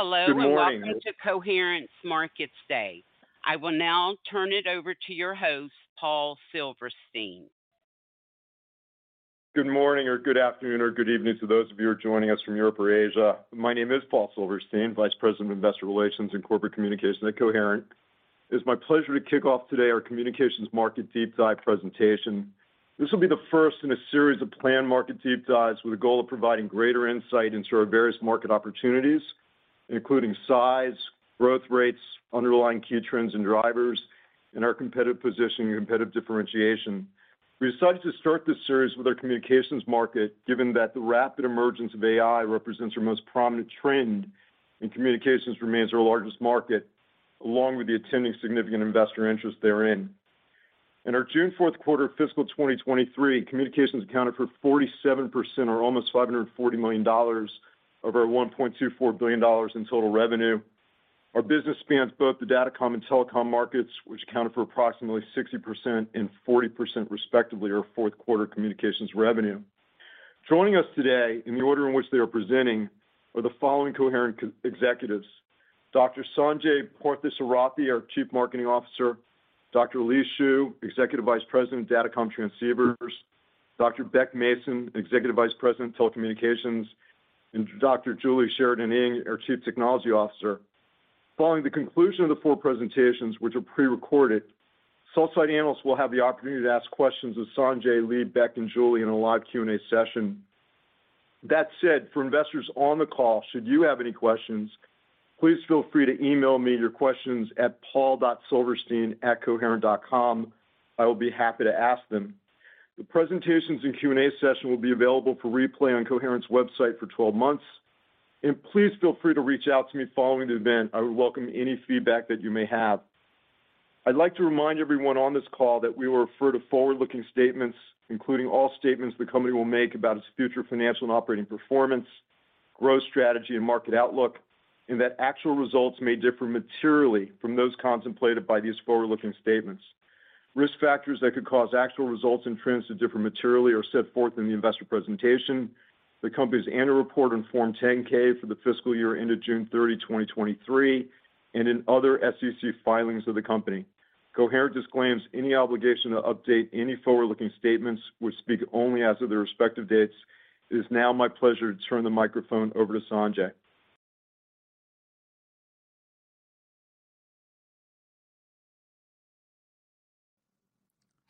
Hello and welcome to Coherent's Markets Day. I will now turn it over to your host, Paul Silverstein. Good morning or good afternoon, or good evening to those of you who are joining us from Europe or Asia. My name is Paul Silverstein, Vice President of Investor Relations and Corporate Communications at Coherent. It is my pleasure to kick off today our communications market deep dive presentation. This will be the first in a series of planned market deep dives with a goal of providing greater insight into our various market opportunities, including size, growth rates, underlying key trends and drivers, and our competitive position and competitive differentiation. We decided to start this series with our communications market, given that the rapid emergence of AI represents our most prominent trend, and communications remains our largest market, along with the attending significant investor interest therein. In our June fourth quarter of fiscal 2023, communications accounted for 47% or almost $540 million of our $1.24 billion in total revenue. Our business spans both the datacom and telecom markets, which accounted for approximately 60% and 40%, respectively, of our fourth quarter communications revenue. Joining us today in the order in which they are presenting are the following Coherent executives: Dr. Sanjai Parthasarathi, our Chief Marketing Officer; Dr. Lee Xu, Executive Vice President, Datacom Transceivers; Dr. Beck Mason, Executive Vice President, Telecommunications; and Dr. Julie Sheridan Eng, our Chief Technology Officer. Following the conclusion of the four presentations, which are prerecorded, sell-side analysts will have the opportunity to ask questions of Sanjai, Lee, Beck, and Julie in a live Q&A session. That said, for investors on the call, should you have any questions, please feel free to email me your questions at Paul.Silverstein@coherent.com. I will be happy to ask them. The presentations and Q&A session will be available for replay on Coherent's website for 12 months, and please feel free to reach out to me following the event. I would welcome any feedback that you may have. I'd like to remind everyone on this call that we will refer to forward-looking statements, including all statements the company will make about its future financial and operating performance, growth, strategy, and market outlook, and that actual results may differ materially from those contemplated by these forward-looking statements. Risk factors that could cause actual results and trends to differ materially are set forth in the investor presentation, the company's annual report on Form 10-K for the fiscal year ended June 30, 2023, and in other SEC filings of the company. Coherent disclaims any obligation to update any forward-looking statements, which speak only as of their respective dates. It is now my pleasure to turn the microphone over to Sanjai.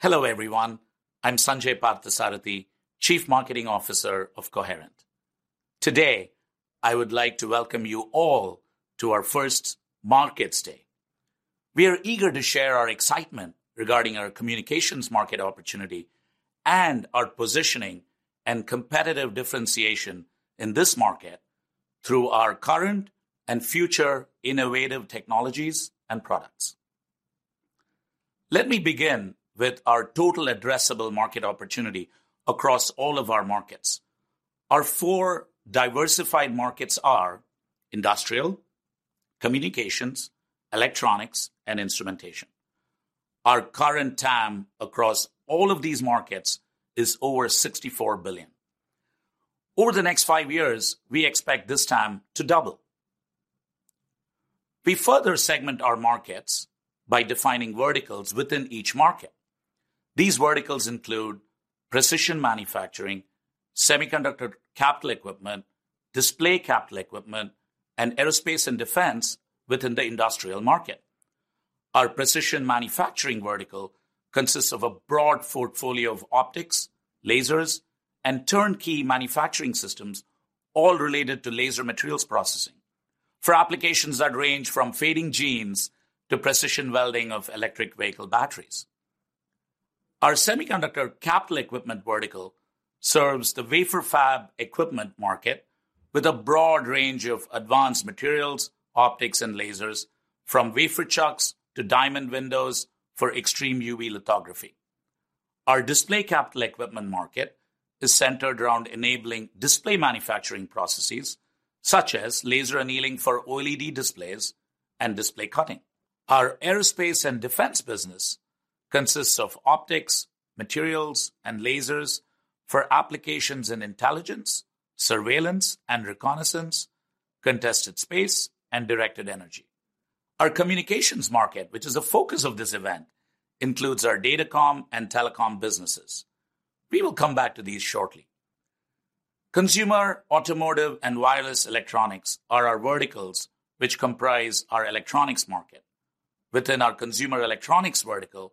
Hello, everyone. I'm Sanjai Parthasarathi, Chief Marketing Officer of Coherent. Today, I would like to welcome you all to our first Markets Day. We are eager to share our excitement regarding our communications market opportunity and our positioning and competitive differentiation in this market through our current and future innovative technologies and products. Let me begin with our total addressable market opportunity across all of our markets. Our four diversified markets are industrial, communications, electronics, and instrumentation. Our current TAM across all of these markets is over $64 billion. Over the next five years, we expect this TAM to double. We further segment our markets by defining verticals within each market. These verticals include precision manufacturing, semiconductor capital equipment, display capital equipment, and aerospace and defense within the industrial market. Our precision manufacturing vertical consists of a broad portfolio of optics, lasers, and turnkey manufacturing systems, all related to laser materials processing for applications that range from fading jeans to precision welding of electric vehicle batteries. Our semiconductor capital equipment vertical serves the wafer fab equipment market with a broad range of advanced materials, optics, and lasers, from wafer chucks to diamond windows for extreme UV lithography. Our display capital equipment market is centered around enabling display manufacturing processes such as laser annealing for OLED displays and display cutting. Our aerospace and defense business consists of optics, materials, and lasers for applications in intelligence, surveillance and reconnaissance, contested space, and directed energy. Our communications market, which is the focus of this event, includes our datacom and telecom businesses. We will come back to these shortly. Consumer, automotive, and wireless electronics are our verticals, which comprise our electronics market. Within our consumer electronics vertical,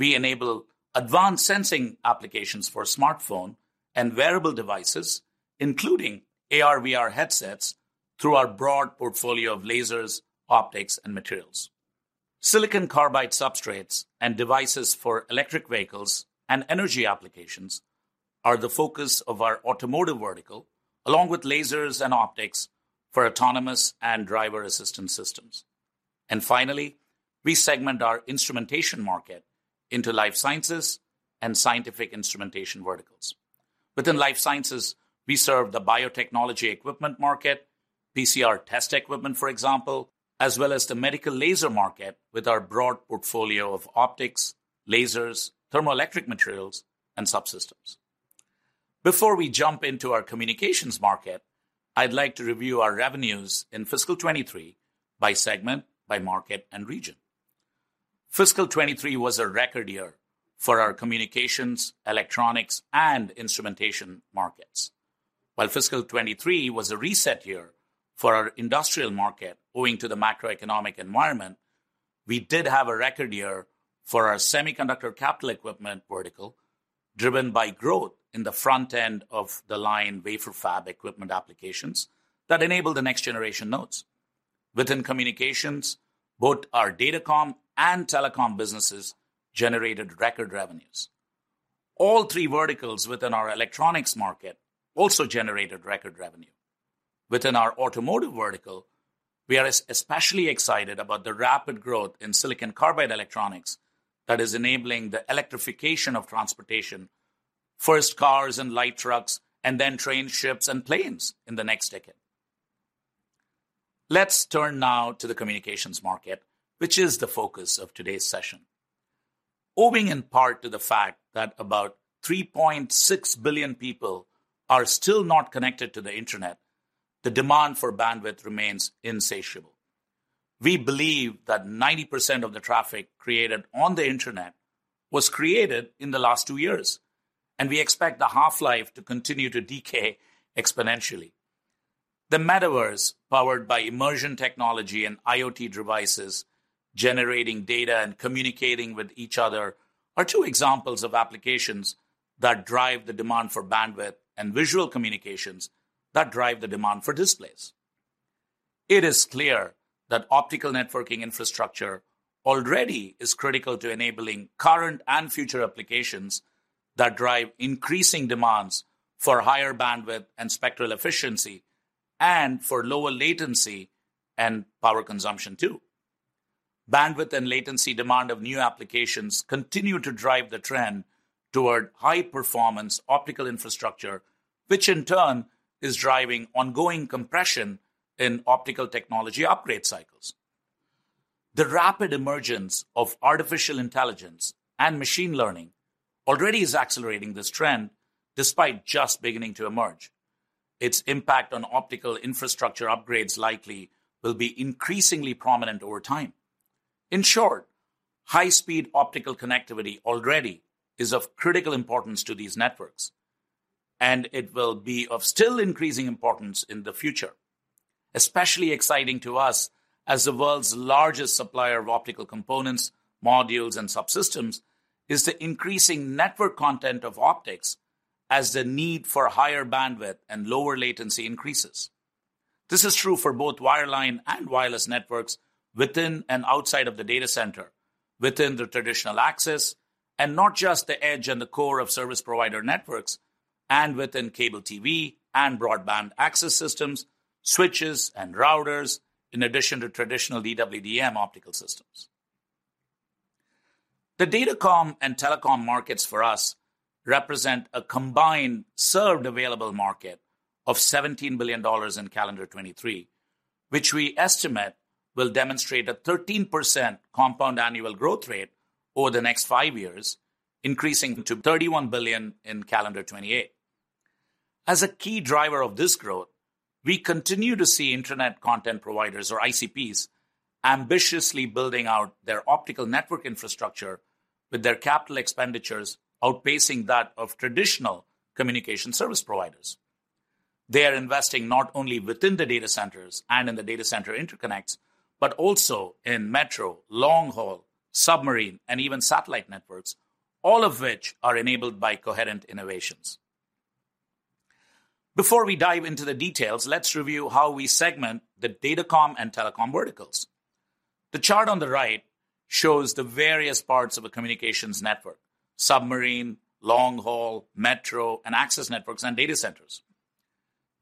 we enable advanced sensing applications for smartphone and wearable devices, including AR/VR headsets, through our broad portfolio of lasers, optics, and materials. Silicon carbide substrates and devices for electric vehicles and energy applications are the focus of our automotive vertical, along with lasers and optics for autonomous and driver assistance systems. And finally, we segment our instrumentation market into life sciences and scientific instrumentation verticals. Within life sciences, we serve the biotechnology equipment market, PCR test equipment, for example, as well as the medical laser market with our broad portfolio of optics, lasers, thermoelectric materials, and subsystems. Before we jump into our communications market, I'd like to review our revenues in fiscal 2023 by segment, by market, and region. Fiscal 2023 was a record year for our communications, electronics, and instrumentation markets. While fiscal 2023 was a reset year for our industrial market owing to the macroeconomic environment, we did have a record year for our semiconductor capital equipment vertical, driven by growth in the front end of the line wafer fab equipment applications that enable the next generation nodes. Within communications, both our Datacom and Telecom businesses generated record revenues. All three verticals within our electronics market also generated record revenue. Within our automotive vertical, we are especially excited about the rapid growth in silicon carbide electronics that is enabling the electrification of transportation, first cars and light trucks, and then trains, ships, and planes in the next decade. Let's turn now to the communications market, which is the focus of today's session. Owing in part to the fact that about 3.6 billion people are still not connected to the internet, the demand for bandwidth remains insatiable. We believe that 90% of the traffic created on the internet was created in the last 2 years, and we expect the half-life to continue to decay exponentially. The metaverse, powered by immersion technology and IoT devices, generating data and communicating with each other, are two examples of applications that drive the demand for bandwidth and visual communications that drive the demand for displays. It is clear that optical networking infrastructure already is critical to enabling current and future applications that drive increasing demands for higher bandwidth and spectral efficiency, and for lower latency and power consumption, too. Bandwidth and latency demand of new applications continue to drive the trend toward high-performance optical infrastructure, which in turn is driving ongoing compression in optical technology upgrade cycles. The rapid emergence of artificial intelligence and machine learning already is accelerating this trend, despite just beginning to emerge. Its impact on optical infrastructure upgrades likely will be increasingly prominent over time. In short, high-speed optical connectivity already is of critical importance to these networks, and it will be of still increasing importance in the future. Especially exciting to us, as the world's largest supplier of optical components, modules, and subsystems, is the increasing network content of optics as the need for higher bandwidth and lower latency increases. This is true for both wireline and wireless networks within and outside of the data center, within the traditional access, and not just the edge and the core of service provider networks, and within cable TV and broadband access systems, switches and routers, in addition to traditional DWDM optical systems. The datacom and telecom markets for us represent a combined served available market of $17 billion in calendar 2023, which we estimate will demonstrate a 13% compound annual growth rate over the next 5 years, increasing to $31 billion in calendar 2028. As a key driver of this growth, we continue to see internet content providers, or ICPs, ambitiously building out their optical network infrastructure, with their capital expenditures outpacing that of traditional communication service providers. They are investing not only within the data centers and in the data center interconnects, but also in metro, long haul, submarine, and even satellite networks, all of which are enabled by coherent innovations. Before we dive into the details, let's review how we segment the datacom and telecom verticals. The chart on the right shows the various parts of a communications network: submarine, long haul, metro, and access networks and data centers.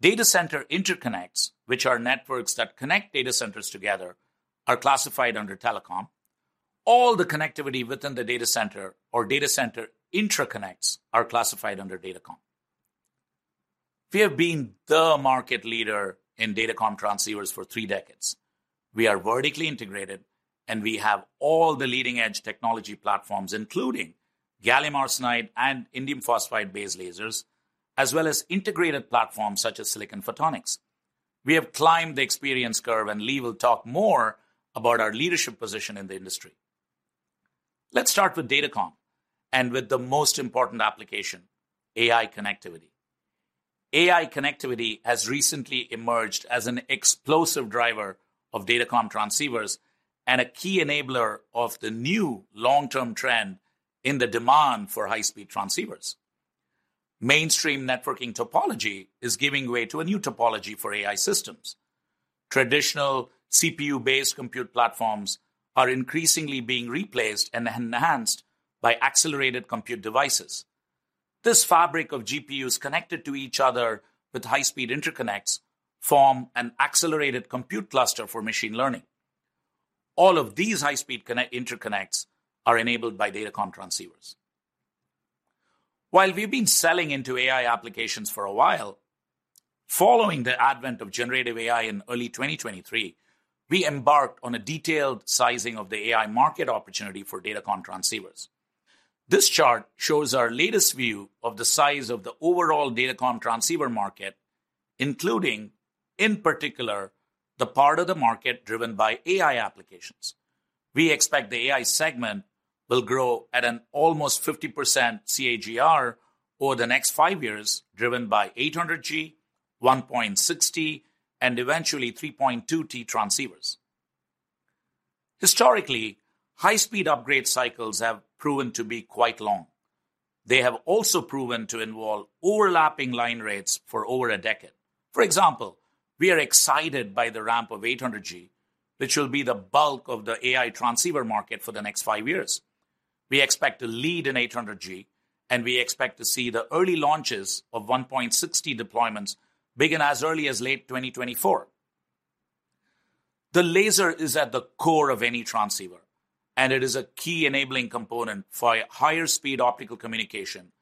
Data center interconnects, which are networks that connect data centers together, are classified under Telecom. All the connectivity within the data center or data center interconnects are classified under Datacom. We have been the market leader in Datacom transceivers for three decades. We are vertically integrated, and we have all the leading-edge technology platforms, including gallium arsenide and indium phosphide-based lasers, as well as integrated platforms such as silicon photonics. We have climbed the experience curve, and Lee will talk more about our leadership position in the industry. Let's start with Datacom and with the most important application, AI connectivity. AI connectivity has recently emerged as an explosive driver of Datacom transceivers and a key enabler of the new long-term trend in the demand for high-speed transceivers. Mainstream networking topology is giving way to a new topology for AI systems. Traditional CPU-based compute platforms are increasingly being replaced and enhanced by accelerated compute devices. This fabric of GPUs connected to each other with high-speed interconnects form an accelerated compute cluster for machine learning. All of these high-speed interconnects are enabled by datacom transceivers. While we've been selling into AI applications for a while following the advent of generative AI in early 2023, we embarked on a detailed sizing of the AI market opportunity for datacom transceivers. This chart shows our latest view of the size of the overall datacom transceiver market, including, in particular, the part of the market driven by AI applications. We expect the AI segment will grow at an almost 50% CAGR over the next 5 years, driven by 800 G, 1.6T, and eventually 3.2T transceivers. Historically, high-speed upgrade cycles have proven to be quite long. They have also proven to involve overlapping line rates for over a decade. For example, we are excited by the ramp of 800 G, which will be the bulk of the AI transceiver market for the next 5 years. We expect to lead in 800 G, and we expect to see the early launches of 1.6T deployments begin as early as late 2024. The laser is at the core of any transceiver, and it is a key enabling component for higher speed optical communication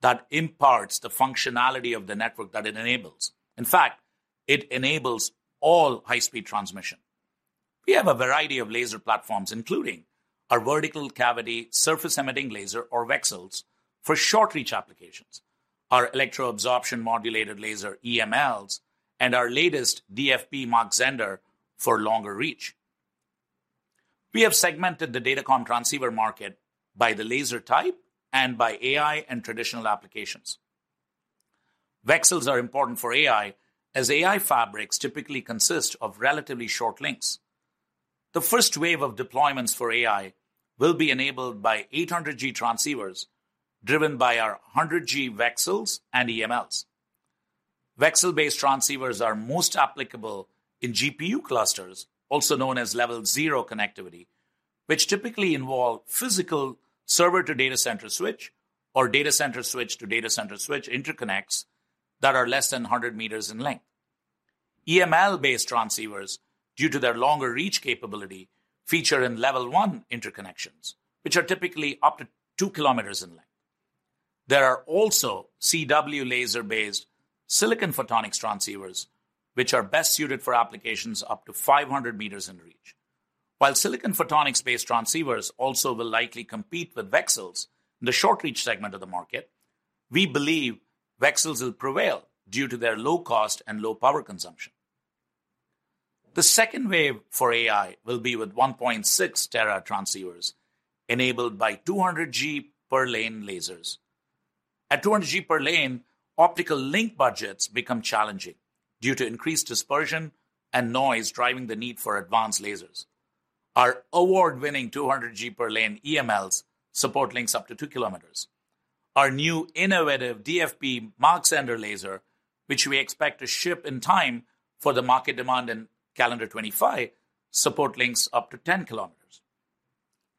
that imparts the functionality of the network that it enables. In fact, it enables all high-speed transmission. We have a variety of laser platforms, including our vertical cavity surface emitting laser or VCSELs for short reach applications, our electro-absorption modulated laser, EMLs, and our latest DFB Mach-Zehnder for longer reach. We have segmented the Datacom transceiver market by the laser type and by AI and traditional applications. VCSELs are important for AI, as AI fabrics typically consist of relatively short links. The first wave of deployments for AI will be enabled by 800G transceivers, driven by our 100G VCSELs and EMLs. VCSEL-based transceivers are most applicable in GPU clusters, also known as level zero connectivity, which typically involve physical server-to-data center switch or data center switch to data center switch interconnects that are less than 100 meters in length. EML-based transceivers, due to their longer reach capability, feature in level one interconnections, which are typically up to 2 km in length. There are also CW laser-based silicon photonics transceivers, which are best suited for applications up to 500 m in reach. While silicon photonics-based transceivers also will likely compete with VCSELs in the short reach segment of the market, we believe VCSELs will prevail due to their low cost and low power consumption. The second wave for AI will be with 1.6T transceivers, enabled by 200G per lane lasers. At 200G per lane, optical link budgets become challenging due to increased dispersion and noise, driving the need for advanced lasers. Our award-winning 200G per lane EMLs support links up to 2 km. Our new innovative DFB Mach-Zehnder laser, which we expect to ship in time for the market demand in calendar 2025, support links up to 10 km.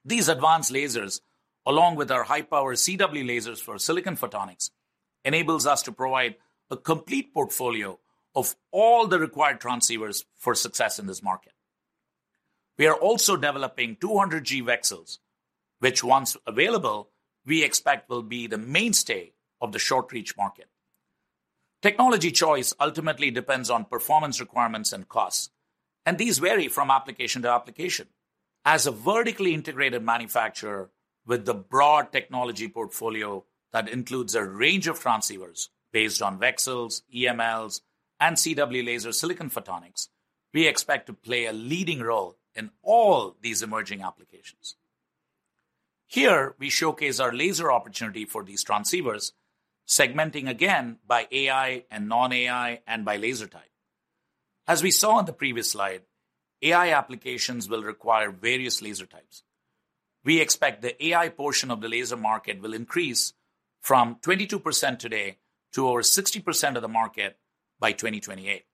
These advanced lasers, along with our high-power CW lasers for silicon photonics, enables us to provide a complete portfolio of all the required transceivers for success in this market. We are also developing 200 gig VCSELs, which, once available, we expect will be the mainstay of the short reach market. Technology choice ultimately depends on performance requirements and costs, and these vary from application to application. As a vertically integrated manufacturer with the broad technology portfolio that includes a range of transceivers based on VCSELs, EMLs, and CW laser silicon photonics, we expect to play a leading role in all these emerging applications. Here, we showcase our laser opportunity for these transceivers, segmenting again by AI and non-AI and by laser type. As we saw on the previous slide, AI applications will require various laser types. We expect the AI portion of the laser market will increase from 22% today to over 60% of the market by 2028.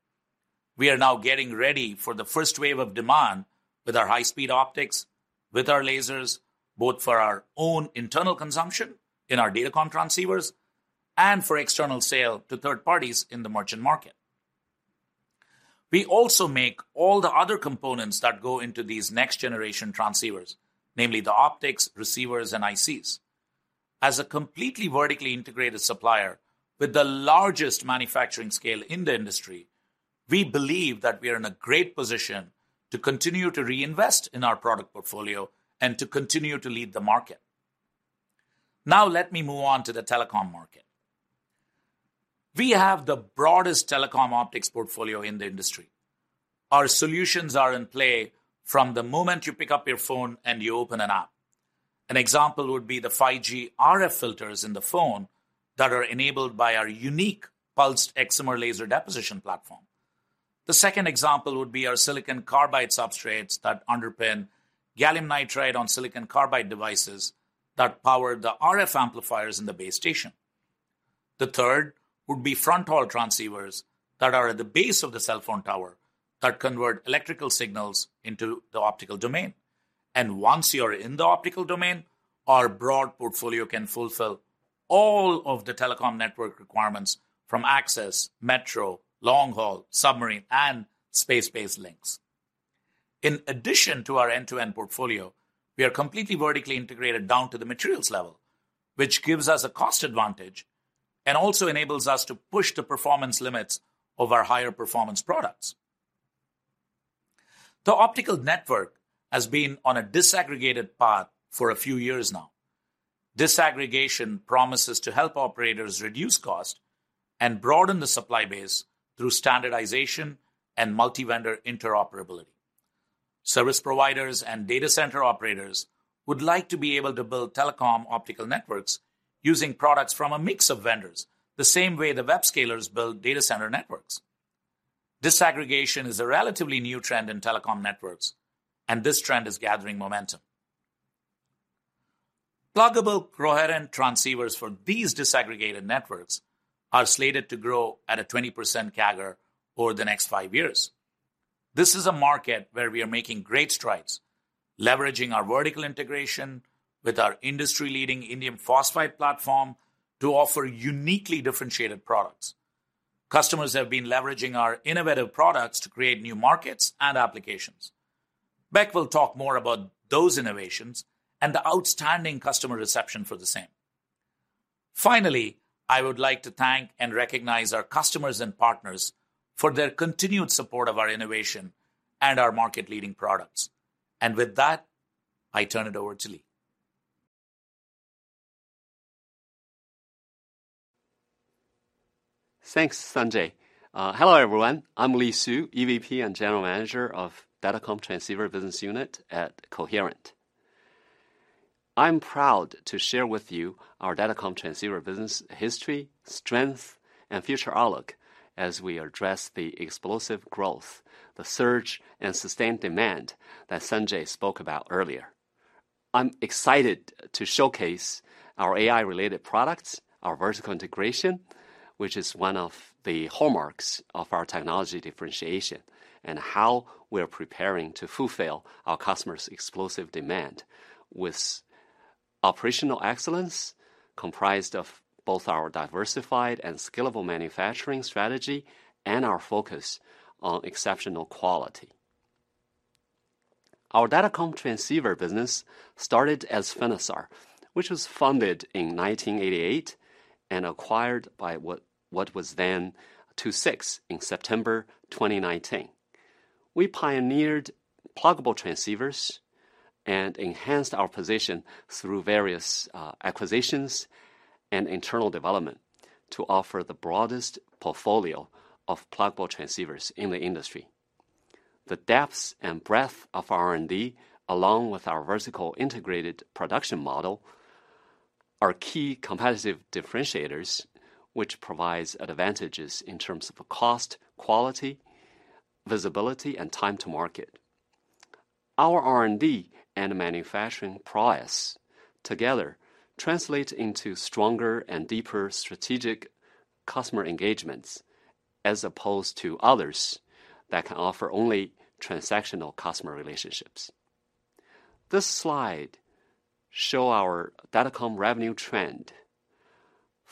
We are now getting ready for the first wave of demand with our high-speed optics, with our lasers, both for our own internal consumption in our datacom transceivers and for external sale to third parties in the merchant market. We also make all the other components that go into these next-generation transceivers, namely the optics, receivers, and ICs. As a completely vertically integrated supplier with the largest manufacturing scale in the industry, we believe that we are in a great position to continue to reinvest in our product portfolio and to continue to lead the market. Now, let me move on to the telecom market. We have the broadest telecom optics portfolio in the industry. Our solutions are in play from the moment you pick up your phone and you open an app. An example would be the 5G RF filters in the phone that are enabled by our unique pulsed excimer laser deposition platform. The second example would be our silicon carbide substrates that underpin gallium nitride on silicon carbide devices that power the RF amplifiers in the base station. The third would be front-haul transceivers that are at the base of the cell phone tower that convert electrical signals into the optical domain. Once you are in the optical domain, our broad portfolio can fulfill all of the telecom network requirements from access, metro, long-haul, submarine, and space-based links. In addition to our end-to-end portfolio, we are completely vertically integrated down to the materials level, which gives us a cost advantage and also enables us to push the performance limits of our higher performance products. The optical network has been on a disaggregated path for a few years now. Disaggregation promises to help operators reduce cost and broaden the supply base through standardization and multi-vendor interoperability. Service providers and data center operators would like to be able to build telecom optical networks using products from a mix of vendors, the same way the web scalers build data center networks. Disaggregation is a relatively new trend in telecom networks, and this trend is gathering momentum. Pluggable coherent transceivers for these disaggregated networks are slated to grow at a 20% CAGR over the next five years. This is a market where we are making great strides, leveraging our vertical integration with our industry-leading indium phosphide platform to offer uniquely differentiated products. Customers have been leveraging our innovative products to create new markets and applications. Beck will talk more about those innovations and the outstanding customer reception for the same. Finally, I would like to thank and recognize our customers and partners for their continued support of our innovation and our market-leading products. With that, I turn it over to Lee. Thanks, Sanjai. Hello, everyone. I'm Lee Xu, EVP and General Manager of Datacom Transceiver Business Unit at Coherent. I'm proud to share with you our Datacom Transceiver business history, strength, and future outlook as we address the explosive growth, the surge, and sustained demand that Sanjai spoke about earlier. I'm excited to showcase our AI-related products, our vertical integration, which is one of the hallmarks of our technology differentiation, and how we are preparing to fulfill our customers' explosive demand with operational excellence, comprised of both our diversified and scalable manufacturing strategy and our focus on exceptional quality. Our Datacom Transceiver business started as Finisar, which was founded in 1988 and acquired by what, what was then II-VI in September 2019. We pioneered pluggable transceivers and enhanced our position through various acquisitions and internal development to offer the broadest portfolio of pluggable transceivers in the industry. The depths and breadth of R&D, along with our vertical integrated production model, are key competitive differentiators, which provides advantages in terms of cost, quality, visibility, and time to market. Our R&D and manufacturing prowess together translate into stronger and deeper strategic customer engagements, as opposed to others that can offer only transactional customer relationships. This slide shows our Datacom revenue trend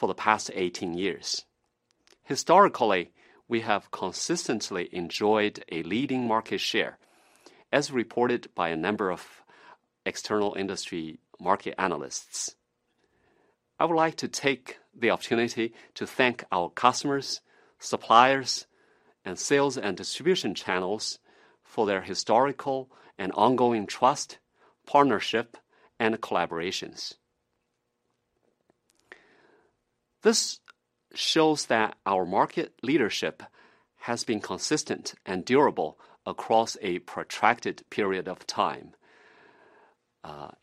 for the past 18 years. Historically, we have consistently enjoyed a leading market share, as reported by a number of external industry market analysts. I would like to take the opportunity to thank our customers, suppliers, and sales and distribution channels for their historical and ongoing trust, partnership, and collaborations. This shows that our market leadership has been consistent and durable across a protracted period of time,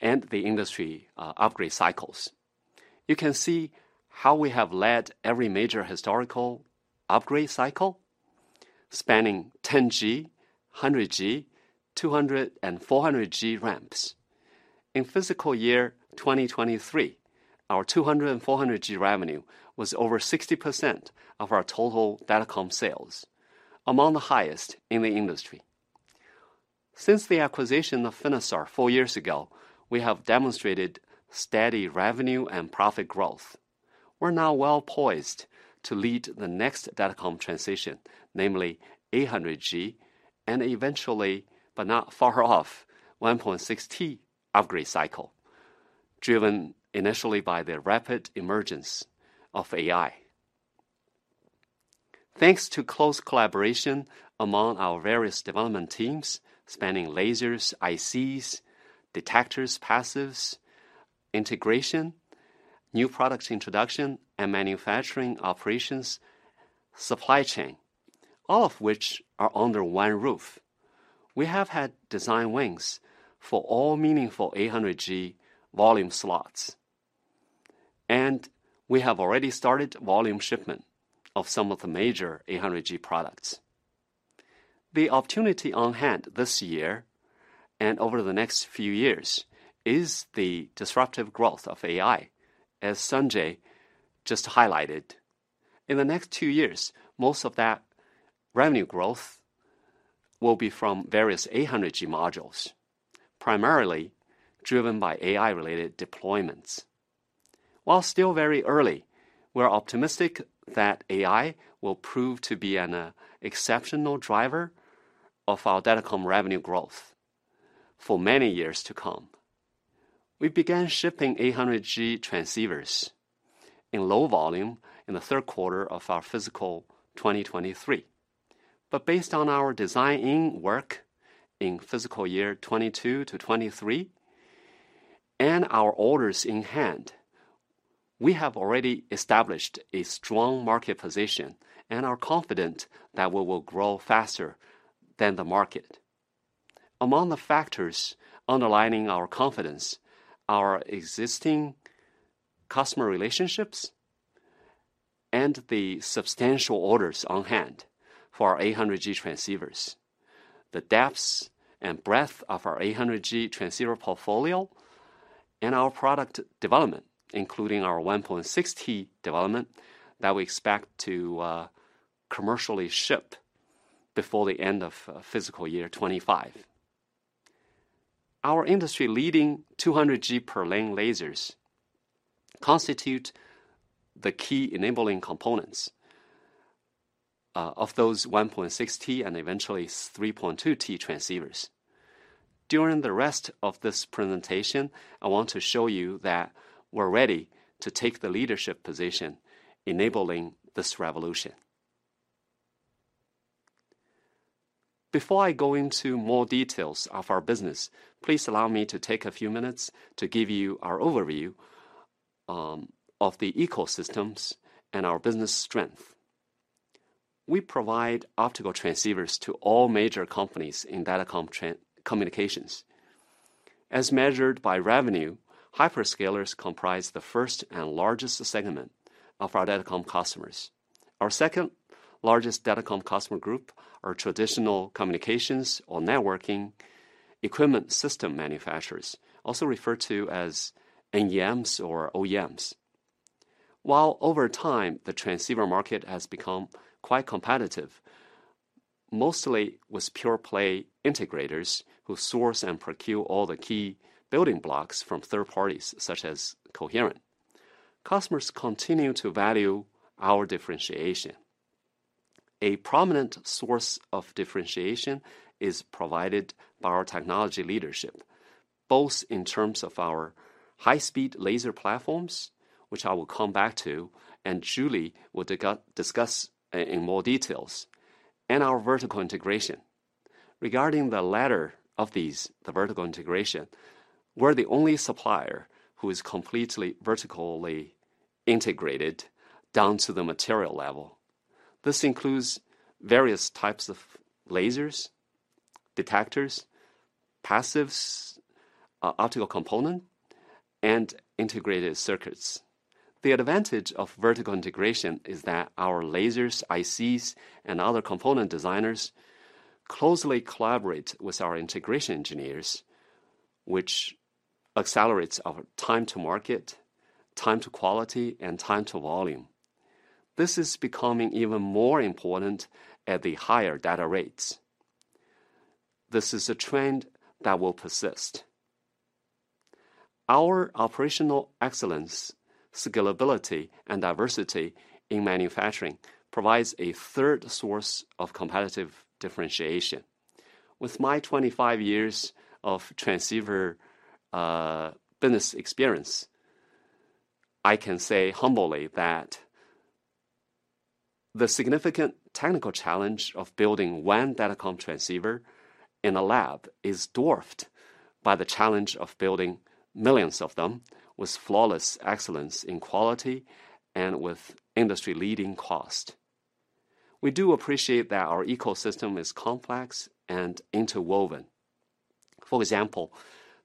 and the industry upgrade cycles. You can see how we have led every major historical upgrade cycle, spanning 10G, 100G, 200G and 400G ramps. In fiscal year 2023, our 200G and 400G revenue was over 60% of our total Datacom sales, among the highest in the industry. Since the acquisition of Finisar four years ago, we have demonstrated steady revenue and profit growth. We're now well-poised to lead the next Datacom transition, namely 800G and eventually, but not far off, 1.6T upgrade cycle, driven initially by the rapid emergence of AI. Thanks to close collaboration among our various development teams, spanning lasers, ICs, detectors, passives, integration, new product introduction, and manufacturing operations, supply chain, all of which are under one roof. We have had design wins for all meaningful 800G volume slots, and we have already started volume shipment of some of the major 800G products. The opportunity on hand this year, and over the next few years, is the disruptive growth of AI, as Sanjai just highlighted. In the next two years, most of that revenue growth will be from various 800G modules, primarily driven by AI-related deployments while still very early, we're optimistic that AI will prove to be an exceptional driver of our datacom revenue growth for many years to come. We began shipping 800G transceivers in low volume in the third quarter of our fiscal 2023. But based on our design in work in fiscal year 2022-2023, and our orders in hand, we have already established a strong market position and are confident that we will grow faster than the market. Among the factors underlining our confidence, are existing customer relationships and the substantial orders on hand for our 800G transceivers, the depth and breadth of our 800G transceiver portfolio, and our product development, including our 1.6T development, that we expect to commercially ship before the end of fiscal year 2025. Our industry-leading 200G per lane lasers constitute the key enabling components of those 1.6T and eventually 3.2T transceivers. During the rest of this presentation, I want to show you that we're ready to take the leadership position enabling this revolution. Before I go into more details of our business, please allow me to take a few minutes to give you our overview of the ecosystems and our business strength. We provide optical transceivers to all major companies in datacom communications. As measured by revenue, hyperscalers comprise the first and largest segment of our datacom customers. Our second-largest datacom customer group are traditional communications or networking equipment system manufacturers, also referred to as OEMs or ODMs. While over time, the transceiver market has become quite competitive, mostly with pure-play integrators who source and procure all the key building blocks from third parties, such as Coherent. Customers continue to value our differentiation. A prominent source of differentiation is provided by our technology leadership, both in terms of our high-speed laser platforms, which I will come back to, and Julie will discuss in more details, and our vertical integration. Regarding the latter of these, the vertical integration, we're the only supplier who is completely vertically integrated down to the material level. This includes various types of lasers, detectors, passives, optical component, and integrated circuits. The advantage of vertical integration is that our lasers, ICs, and other component designers closely collaborate with our integration engineers, which accelerates our time to market, time to quality, and time to volume. This is becoming even more important at the higher data rates. This is a trend that will persist. Our operational excellence, scalability, and diversity in manufacturing provides a third source of competitive differentiation. With my 25 years of transceiver business experience, I can say humbly that the significant technical challenge of building one datacom transceiver in a lab is dwarfed by the challenge of building millions of them with flawless excellence in quality and with industry-leading cost. We do appreciate that our ecosystem is complex and interwoven. For example,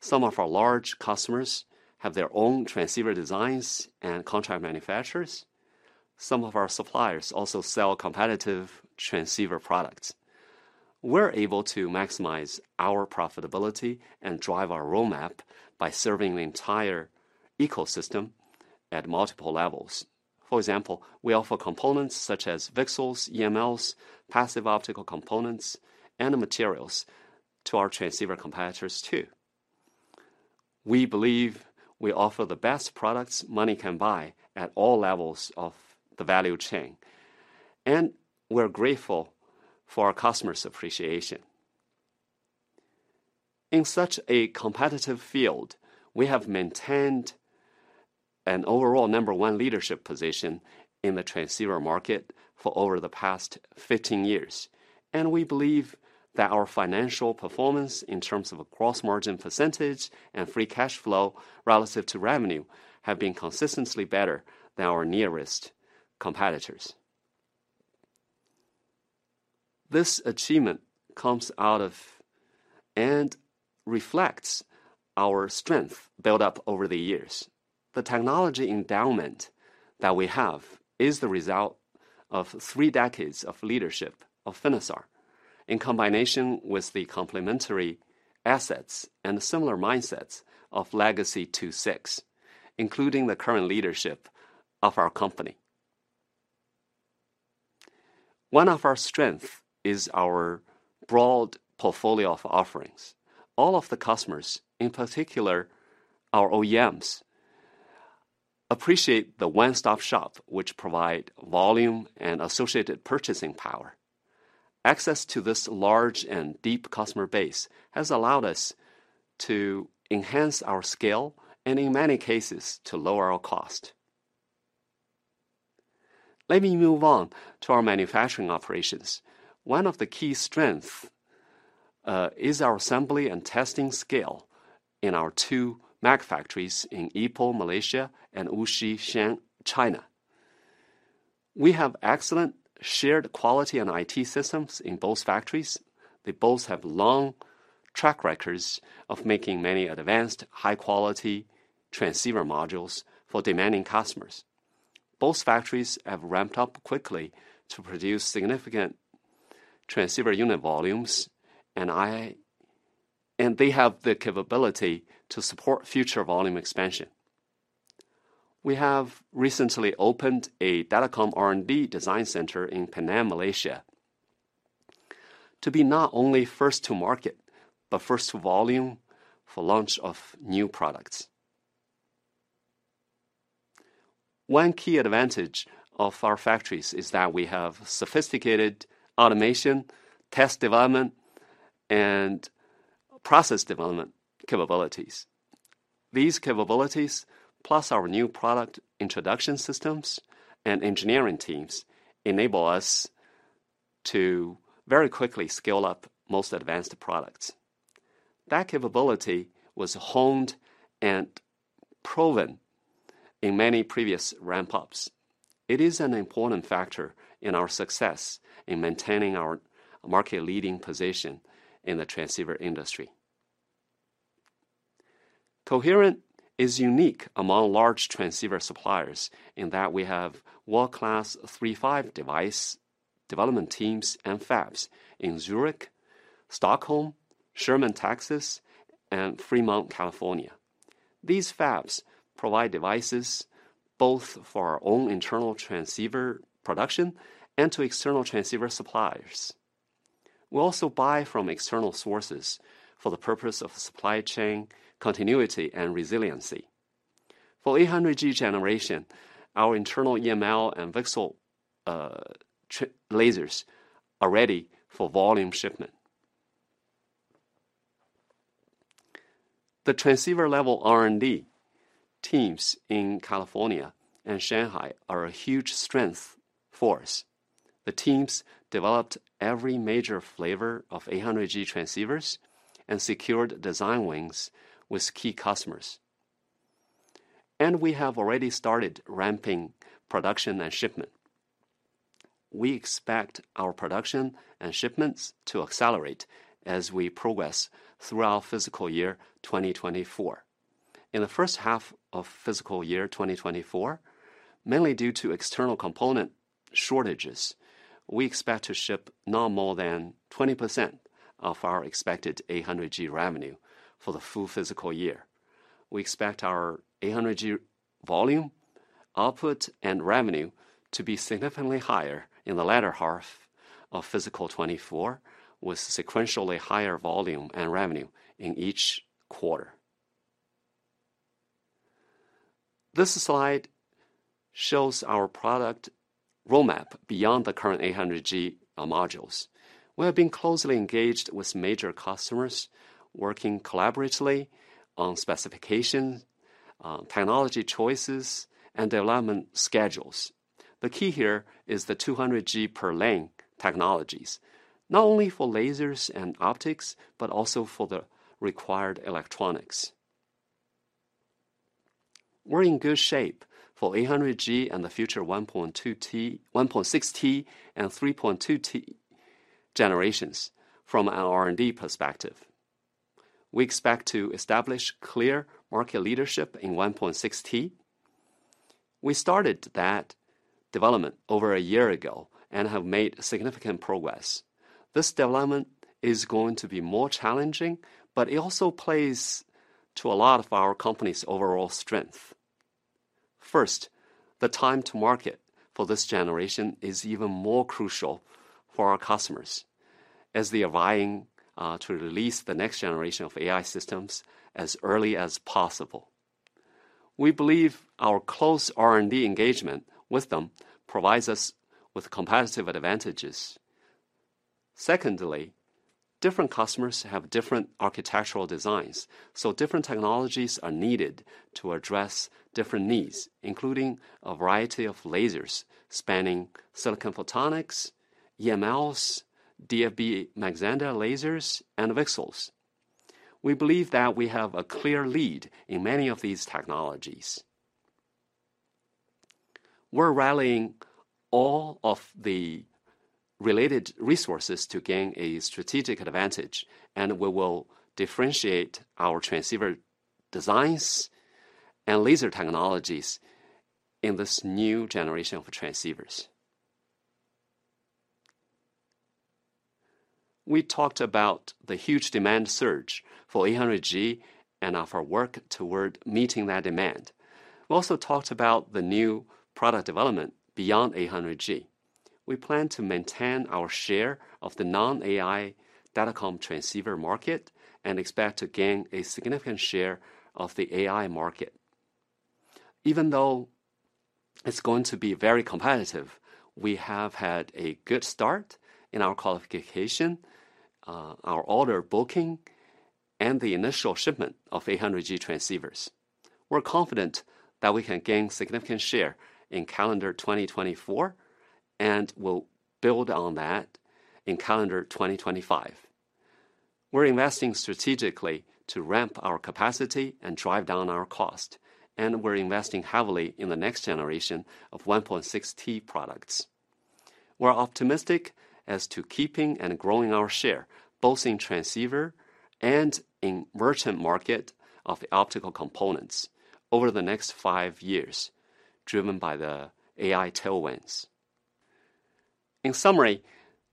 some of our large customers have their own transceiver designs and contract manufacturers. Some of our suppliers also sell competitive transceiver products. We're able to maximize our profitability and drive our roadmap by serving the entire ecosystem at multiple levels. For example, we offer components such as VCSELs, EMLs, passive optical components, and the materials to our transceiver competitors too. We believe we offer the best products money can buy at all levels of the value chain, and we're grateful for our customers' appreciation. In such a competitive field, we have maintained an overall number one leadership position in the transceiver market for over the past 15 years, and we believe that our financial performance, in terms of a gross margin percentage and free cash flow relative to revenue, have been consistently better than our nearest competitors. This achievement comes out of and reflects our strength built up over the years. The technology endowment that we have is the result of three decades of leadership of Finisar, in combination with the complementary assets and similar mindsets of legacy II-VI, including the current leadership of our company. One of our strength is our broad portfolio of offerings. All of the customers, in particular our OEMs, appreciate the one-stop shop, which provide volume and associated purchasing power. Access to this large and deep customer base has allowed us to enhance our scale and, in many cases, to lower our cost. Let me move on to our manufacturing operations. One of the key strength is our assembly and testing scale in our two MAG factories in Ipoh, Malaysia, and Wuxi, China. We have excellent shared quality and IT systems in both factories. They both have long track records of making many advanced, high-quality transceiver modules for demanding customers. Both factories have ramped up quickly to produce significant transceiver unit volumes, and they have the capability to support future volume expansion. We have recently opened a datacom R&D design center in Penang, Malaysia, to be not only first to market, but first to volume for launch of new products. One key advantage of our factories is that we have sophisticated automation, test development, and process development capabilities. These capabilities, plus our new product introduction systems and engineering teams, enable us to very quickly scale up most advanced products. That capability was honed and proven in many previous ramp-ups. It is an important factor in our success in maintaining our market-leading position in the transceiver industry. Coherent is unique among large transceiver suppliers in that we have world-class 3-5 device development teams and fabs in Zurich, Stockholm, Sherman, Texas, and Fremont, California. These fabs provide devices both for our own internal transceiver production and to external transceiver suppliers. We also buy from external sources for the purpose of supply chain continuity and resiliency. For 800G generation, our internal EML and VCSEL chip lasers are ready for volume shipment. The transceiver-level R&D teams in California and Shanghai are a huge strength for us. The teams developed every major flavor of 800G transceivers and secured design wins with key customers. We have already started ramping production and shipment. We expect our production and shipments to accelerate as we progress throughout fiscal year 2024. In the first half of fiscal year 2024, mainly due to external component shortages, we expect to ship no more than 20% of our expected 800G revenue for the full fiscal year. We expect our 800G volume, output, and revenue to be significantly higher in the latter half of fiscal 2024, with sequentially higher volume and revenue in each quarter. This slide shows our product roadmap beyond the current 800G modules. We have been closely engaged with major customers, working collaboratively on specification, technology choices, and development schedules. The key here is the 200G per lane technologies, not only for lasers and optics, but also for the required electronics. We're in good shape for 800G and the future 1.2T, 1.6T and 3.2T generations from our R&D perspective. We expect to establish clear market leadership in 1.6T. We started that development over a year ago and have made significant progress. This development is going to be more challenging, but it also plays to a lot of our company's overall strength. First, the time to market for this generation is even more crucial for our customers as they are vying to release the next generation of AI systems as early as possible. We believe our close R&D engagement with them provides us with competitive advantages. Secondly, different customers have different architectural designs, so different technologies are needed to address different needs, including a variety of lasers spanning silicon photonics, EMLs, DFB Mach-Zehnder lasers, and VCSELs. We believe that we have a clear lead in many of these technologies. We're rallying all of the related resources to gain a strategic advantage, and we will differentiate our transceiver designs and laser technologies in this new generation of transceivers. We talked about the huge demand surge for 800G and of our work toward meeting that demand. We also talked about the new product development beyond 800G. We plan to maintain our share of the non-AI datacom transceiver market and expect to gain a significant share of the AI market. Even though it's going to be very competitive, we have had a good start in our qualification, our order booking, and the initial shipment of 800G transceivers. We're confident that we can gain significant share in calendar 2024, and we'll build on that in calendar 2025. We're investing strategically to ramp our capacity and drive down our cost, and we're investing heavily in the next generation of 1.6T products. We're optimistic as to keeping and growing our share, both in transceiver and in merchant market of the optical components over the next 5 years, driven by the AI tailwinds. In summary,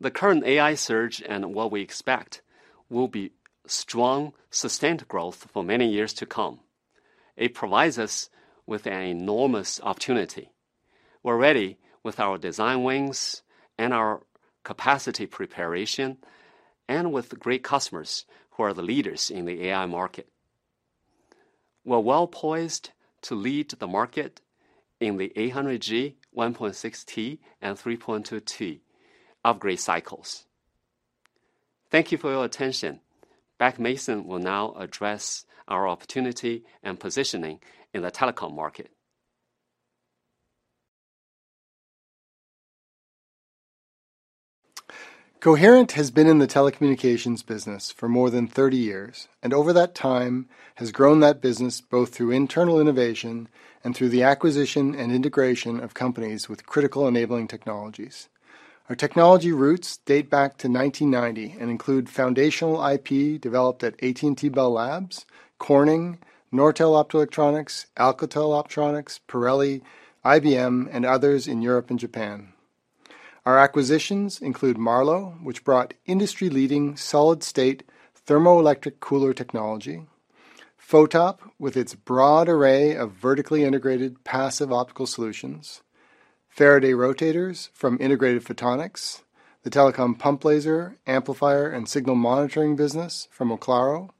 the current AI surge and what we expect will be strong, sustained growth for many years to come. It provides us with an enormous opportunity. We're ready with our design wins and our capacity preparation, and with great customers who are the leaders in the AI market. We're well-poised to lead the market in the 800G, 1.6T, and 3.2T upgrade cycles. Thank you for your attention. Beck Mason will now address our opportunity and positioning in the telecom market. Coherent has been in the telecommunications business for more than 30 years, and over that time, has grown that business both through internal innovation and through the acquisition and integration of companies with critical enabling technologies. Our technology roots date back to 1990 and include foundational IP developed at AT&T Bell Labs, Corning, Nortel Optoelectronics, Alcatel Optronics, Pirelli, IBM, and others in Europe and Japan. Our acquisitions include Marlow, which brought industry-leading solid-state thermoelectric cooler technology, Photop, with its broad array of vertically integrated passive optical solutions, Faraday Rotators from Integrated Photonics, the telecom pump laser, amplifier, and signal monitoring business from Oclaro,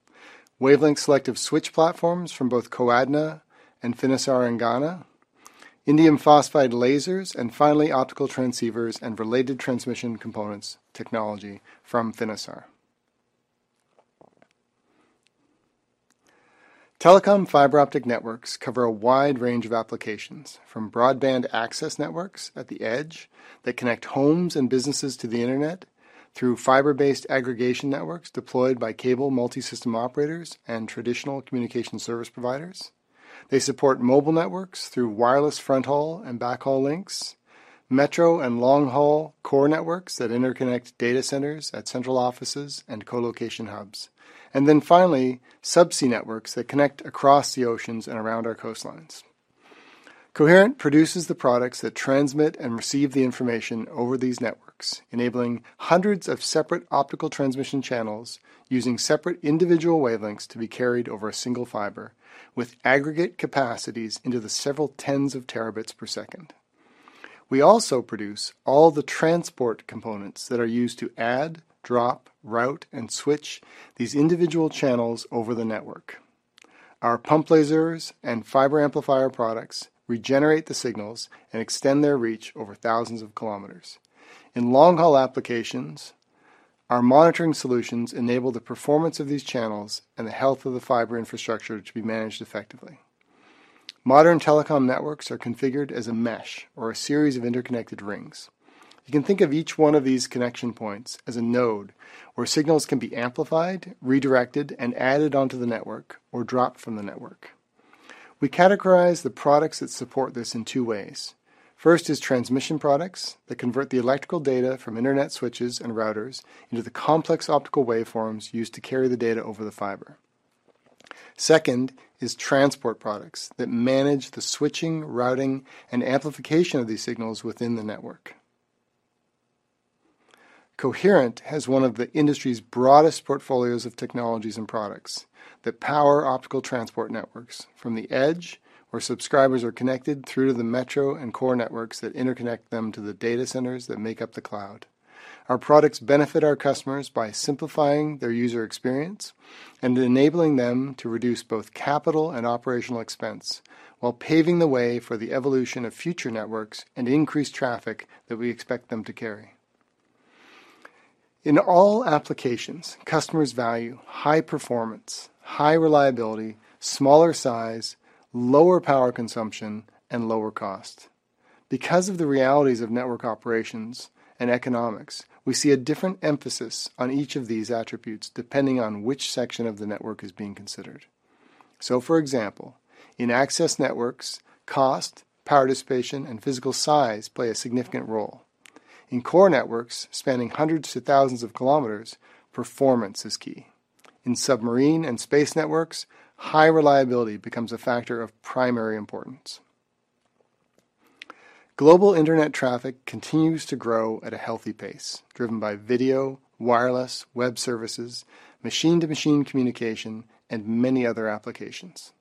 wavelength selective switch platforms from both CoAdna and Finisar, and indium phosphide lasers, and finally, optical transceivers and related transmission components technology from Finisar. Telecom fiber optic networks cover a wide range of applications, from broadband access networks at the edge that connect homes and businesses to the internet, through fiber-based aggregation networks deployed by cable multi-system operators and traditional communication service providers. They support mobile networks through wireless front-haul and backhaul links, metro and long-haul core networks that interconnect data centers at central offices and colocation hubs, and then finally, subsea networks that connect across the oceans and around our coastlines. Coherent produces the products that transmit and receive the information over these networks, enabling hundreds of separate optical transmission channels using separate individual wavelengths to be carried over a single fiber, with aggregate capacities into the several tens of terabits per second. We also produce all the transport components that are used to add, drop, route, and switch these individual channels over the network. Our pump lasers and fiber amplifier products regenerate the signals and extend their reach over thousands of kilometers. In long-haul applications, our monitoring solutions enable the performance of these channels and the health of the fiber infrastructure to be managed effectively. Modern telecom networks are configured as a mesh or a series of interconnected rings. You can think of each one of these connection points as a node, where signals can be amplified, redirected, and added onto the network or dropped from the network. We categorize the products that support this in two ways. First is transmission products that convert the electrical data from internet switches and routers into the complex optical waveforms used to carry the data over the fiber. Second is transport products that manage the switching, routing, and amplification of these signals within the network. Coherent has one of the industry's broadest portfolios of technologies and products that power optical transport networks from the edge, where subscribers are connected through to the metro and core networks that interconnect them to the data centers that make up the cloud. Our products benefit our customers by simplifying their user experience and enabling them to reduce both capital and operational expense, while paving the way for the evolution of future networks and increased traffic that we expect them to carry. In all applications, customers value high performance, high reliability, smaller size, lower power consumption, and lower cost. Because of the realities of network operations and economics, we see a different emphasis on each of these attributes, depending on which section of the network is being considered. So, for example, in access networks, cost, power dissipation, and physical size play a significant role. In core networks, spanning hundreds to thousands of kilometers, performance is key. In submarine and space networks, high reliability becomes a factor of primary importance. Global internet traffic continues to grow at a healthy pace, driven by video, wireless, web services, machine-to-machine communication, and many other applications.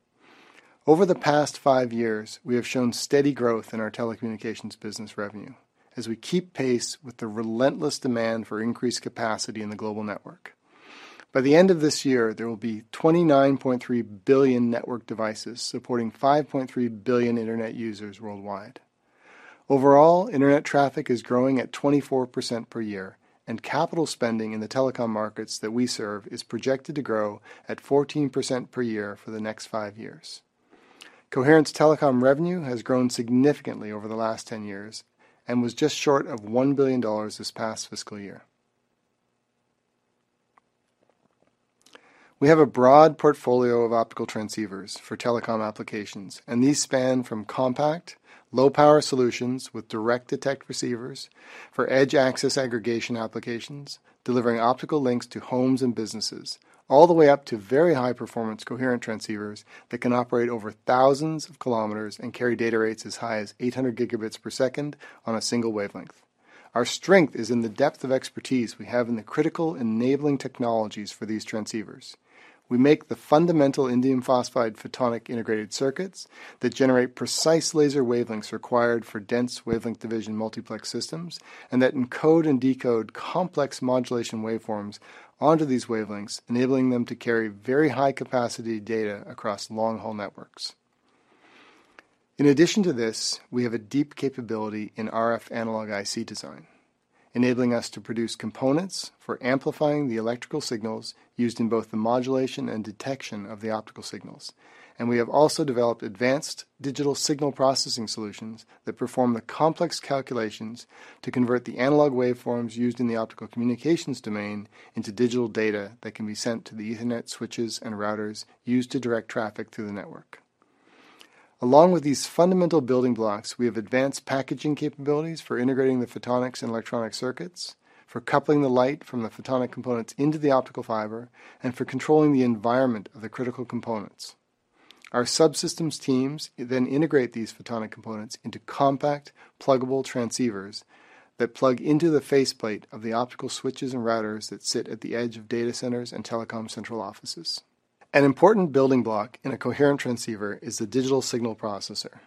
Over the past five years, we have shown steady growth in our telecommunications business revenue as we keep pace with the relentless demand for increased capacity in the global network. By the end of this year, there will be 29.3 billion network devices supporting 5.3 billion internet users worldwide. Overall, internet traffic is growing at 24% per year, and capital spending in the telecom markets that we serve is projected to grow at 14% per year for the next five years. Coherent's telecom revenue has grown significantly over the last 10 years and was just short of $1 billion this past fiscal year. We have a broad portfolio of optical transceivers for telecom applications, and these span from compact, low-power solutions with direct detect receivers for edge access aggregation applications, delivering optical links to homes and businesses, all the way up to very high-performance coherent transceivers that can operate over thousands of kilometers and carry data rates as high as 800 gigabits per second on a single wavelength. Our strength is in the depth of expertise we have in the critical enabling technologies for these transceivers. We make the fundamental indium phosphide photonic integrated circuits that generate precise laser wavelengths required for dense wavelength division multiplex systems, and that encode and decode complex modulation waveforms onto these wavelengths, enabling them to carry very high-capacity data across long-haul networks. In addition to this, we have a deep capability in RF analog IC design, enabling us to produce components for amplifying the electrical signals used in both the modulation and detection of the optical signals. We have also developed advanced digital signal processing solutions that perform the complex calculations to convert the analog waveforms used in the optical communications domain into digital data that can be sent to the Ethernet switches and routers used to direct traffic through the network. Along with these fundamental building blocks, we have advanced packaging capabilities for integrating the photonics and electronic circuits, for coupling the light from the photonic components into the optical fiber, and for controlling the environment of the critical components. Our subsystems teams then integrate these photonic components into compact, pluggable transceivers that plug into the faceplate of the optical switches and routers that sit at the edge of data centers and telecom central offices. An important building block in a coherent transceiver is the digital signal processor.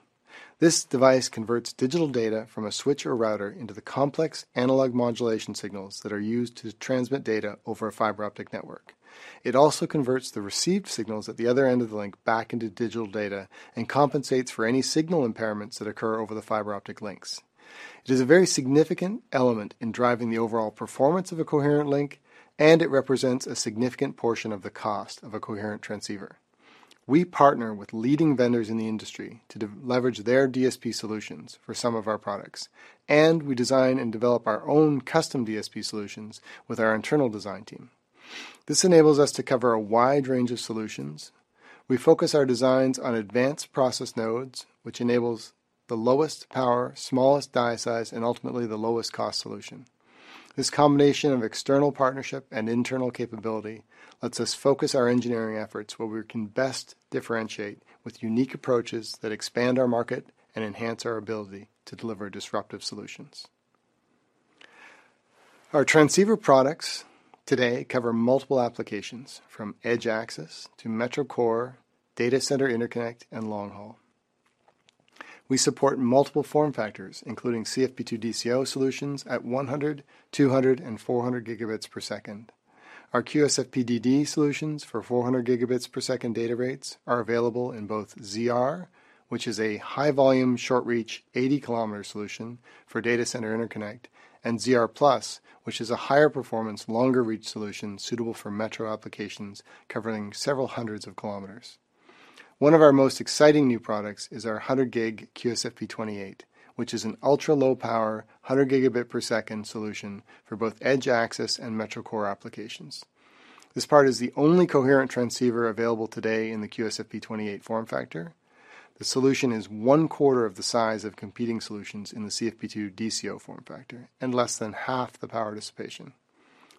This device converts digital data from a switch or router into the complex analog modulation signals that are used to transmit data over a fiber optic network. It also converts the received signals at the other end of the link back into digital data and compensates for any signal impairments that occur over the fiber optic links. It is a very significant element in driving the overall performance of a coherent link, and it represents a significant portion of the cost of a coherent transceiver. We partner with leading vendors in the industry to leverage their DSP solutions for some of our products, and we design and develop our own custom DSP solutions with our internal design team. This enables us to cover a wide range of solutions. We focus our designs on advanced process nodes, which enables the lowest power, smallest die size, and ultimately, the lowest cost solution. This combination of external partnership and internal capability lets us focus our engineering efforts where we can best differentiate with unique approaches that expand our market and enhance our ability to deliver disruptive solutions. Our transceiver products today cover multiple applications, from edge access to metro core, data center interconnect, and long haul. We support multiple form factors, including CFP2-DCO solutions at 100, 200, and 400 Gbps. Our QSFP-DD solutions for 400 Gbps data rates are available in both ZR, which is a high-volume, short-reach, 80-kilometer solution for data center interconnect, and ZR+, which is a higher performance, longer-reach solution suitable for metro applications covering several hundreds of kilometers. One of our most exciting new products is our 100G QSFP28, which is an ultra-low power, 100 Gbps solution for both edge access and metro core applications. This part is the only coherent transceiver available today in the QSFP28 form factor. The solution is one quarter of the size of competing solutions in the CFP2-DCO form factor and less than half the power dissipation.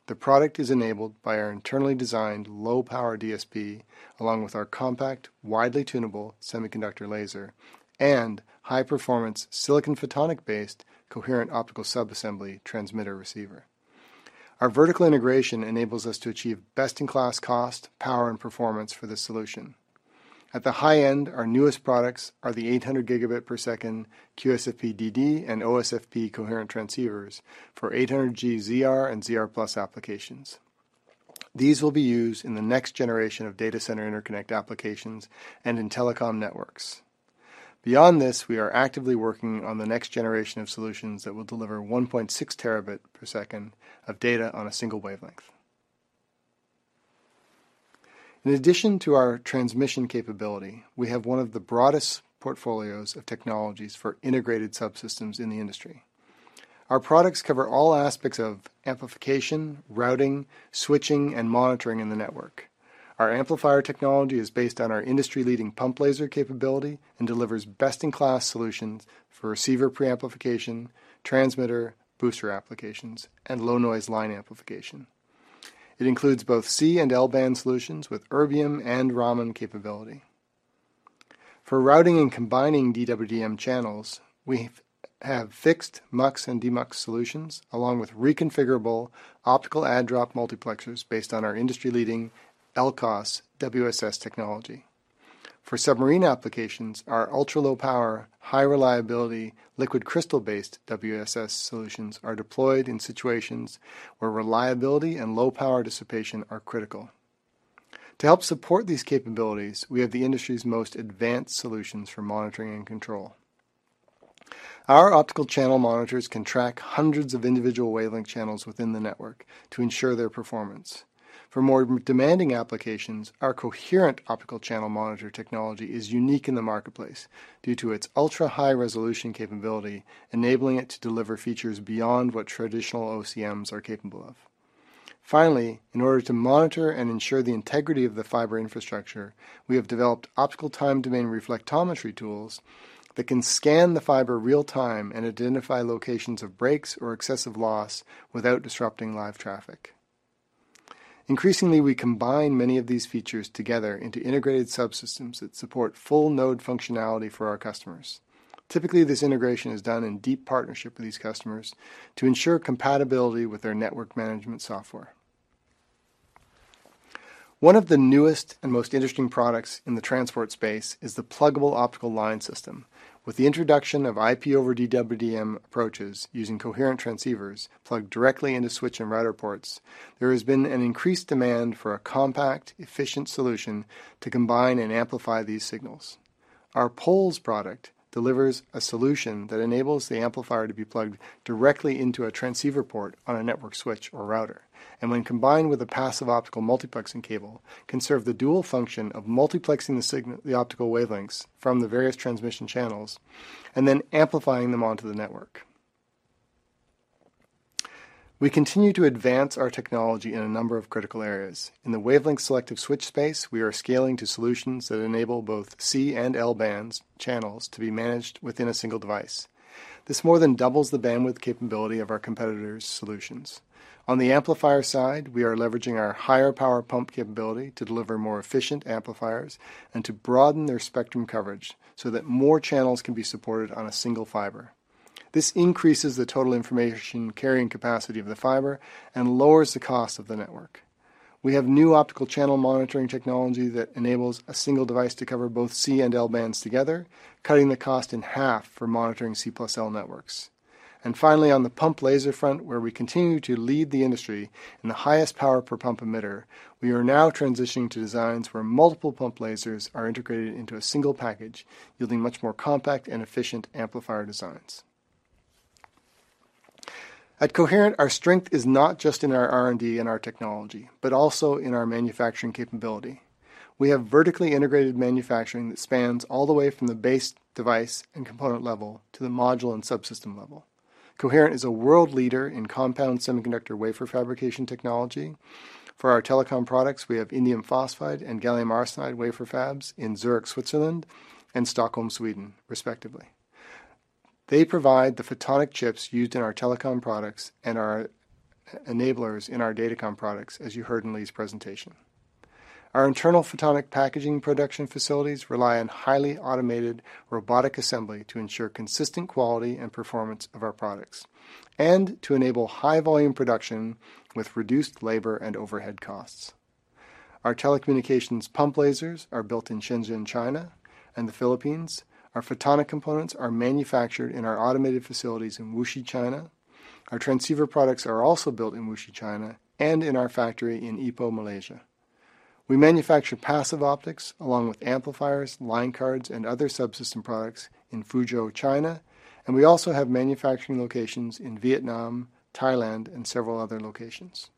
The product is enabled by our internally designed low-power DSP, along with our compact, widely tunable semiconductor laser and high-performance silicon photonic-based coherent optical subassembly transmitter/receiver. Our vertical integration enables us to achieve best-in-class cost, power, and performance for this solution. At the high end, our newest products are the 800-gigabit-per-second QSFP-DD and OSFP coherent transceivers for 800G ZR and ZR+ applications. These will be used in the next generation of data center interconnect applications and in telecom networks. Beyond this, we are actively working on the next generation of solutions that will deliver 1.6 terabit per second of data on a single wavelength. In addition to our transmission capability, we have one of the broadest portfolios of technologies for integrated subsystems in the industry. Our products cover all aspects of amplification, routing, switching, and monitoring in the network. Our amplifier technology is based on our industry-leading pump laser capability and delivers best-in-class solutions for receiver preamplification, transmitter, booster applications, and low-noise line amplification. It includes both C and L-band solutions with erbium and Raman capability. For routing and combining DWDM channels, we have fixed mux and demux solutions, along with reconfigurable optical add-drop multiplexers based on our industry-leading LCoS WSS technology. For submarine applications, our ultra-low power, high reliability, liquid crystal-based WSS solutions are deployed in situations where reliability and low power dissipation are critical. To help support these capabilities, we have the industry's most advanced solutions for monitoring and control. Our optical channel monitors can track hundreds of individual wavelength channels within the network to ensure their performance. For more demanding applications, our coherent optical channel monitor technology is unique in the marketplace due to its ultra-high resolution capability, enabling it to deliver features beyond what traditional OCMs are capable of. Finally, in order to monitor and ensure the integrity of the fiber infrastructure, we have developed Optical Time-Domain Reflectometry tools that can scan the fiber real-time and identify locations of breaks or excessive loss without disrupting live traffic. Increasingly, we combine many of these features together into integrated subsystems that support full node functionality for our customers. Typically, this integration is done in deep partnership with these customers to ensure compatibility with their network management software. One of the newest and most interesting products in the transport space is the Pluggable Optical Line System. With the introduction of IP over DWDM approaches using coherent transceivers plugged directly into switch and router ports, there has been an increased demand for a compact, efficient solution to combine and amplify these signals. Our POLS product delivers a solution that enables the amplifier to be plugged directly into a transceiver port on a network switch or router, and when combined with a passive optical multiplexing cable, can serve the dual function of multiplexing the signal, the optical wavelengths from the various transmission channels, and then amplifying them onto the network. We continue to advance our technology in a number of critical areas. In the wavelength selective switch space, we are scaling to solutions that enable both C and L bands channels to be managed within a single device. This more than doubles the bandwidth capability of our competitors' solutions. On the amplifier side, we are leveraging our higher power pump capability to deliver more efficient amplifiers and to broaden their spectrum coverage so that more channels can be supported on a single fiber. This increases the total information carrying capacity of the fiber and lowers the cost of the network. We have new optical channel monitoring technology that enables a single device to cover both C and L bands together, cutting the cost in half for monitoring C plus L networks. And finally, on the pump laser front, where we continue to lead the industry in the highest power per pump emitter, we are now transitioning to designs where multiple pump lasers are integrated into a single package, yielding much more compact and efficient amplifier designs. At Coherent, our strength is not just in our R&D and our technology, but also in our manufacturing capability. We have vertically integrated manufacturing that spans all the way from the base device and component level to the module and subsystem level. Coherent is a world leader in compound semiconductor wafer fabrication technology. For our telecom products, we have ndium phosphide and gallium arsenide wafer fabs in Zurich, Switzerland and Stockholm, Sweden, respectively. They provide the photonic chips used in our telecom products and our enablers in our datacom products, as you heard in Lee's presentation. Our internal photonic packaging production facilities rely on highly automated robotic assembly to ensure consistent quality and performance of our products, and to enable high volume production with reduced labor and overhead costs. Our telecommunications pump lasers are built in Shenzhen, China, and the Philippines. Our photonic components are manufactured in our automated facilities in Wuxi, China. Our transceiver products are also built in Wuxi, China, and in our factory in Ipoh, Malaysia. We manufacture passive optics, along with amplifiers, line cards, and other subsystem products in Fuzhou, China, and we also have manufacturing locations in Vietnam, Thailand, and several other locations.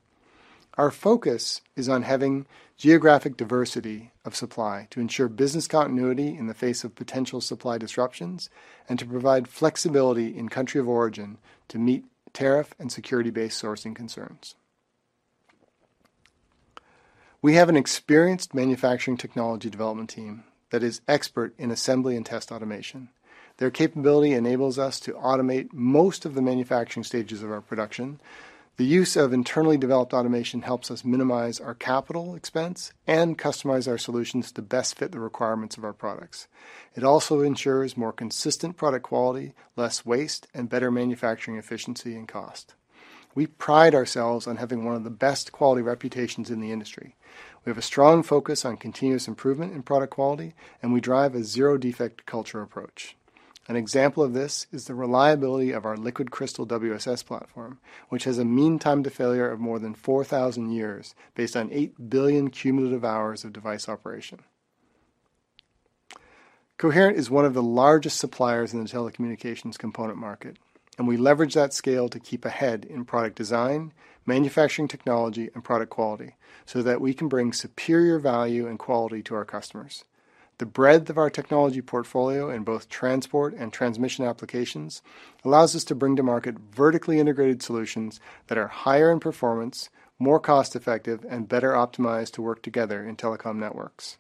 Our focus is on having geographic diversity of supply to ensure business continuity in the face of potential supply disruptions and to provide flexibility in country of origin to meet tariff and security-based sourcing concerns. We have an experienced manufacturing technology development team that is expert in assembly and test automation. Their capability enables us to automate most of the manufacturing stages of our production. The use of internally developed automation helps us minimize our capital expense and customize our solutions to best fit the requirements of our products. It also ensures more consistent product quality, less waste, and better manufacturing efficiency and cost. We pride ourselves on having one of the best quality reputations in the industry. We have a strong focus on continuous improvement in product quality, and we drive a zero-defect culture approach. An example of this is the reliability of our liquid crystal WSS platform, which has a mean time to failure of more than 4,000 years, based on 8 billion cumulative hours of device operation. Coherent is one of the largest suppliers in the telecommunications component market, and we leverage that scale to keep ahead in product design, manufacturing technology, and product quality, so that we can bring superior value and quality to our customers. The breadth of our technology portfolio in both transport and transmission applications allows us to bring to market vertically integrated solutions that are higher in performance, more cost-effective, and better optimized to work together in telecom networks.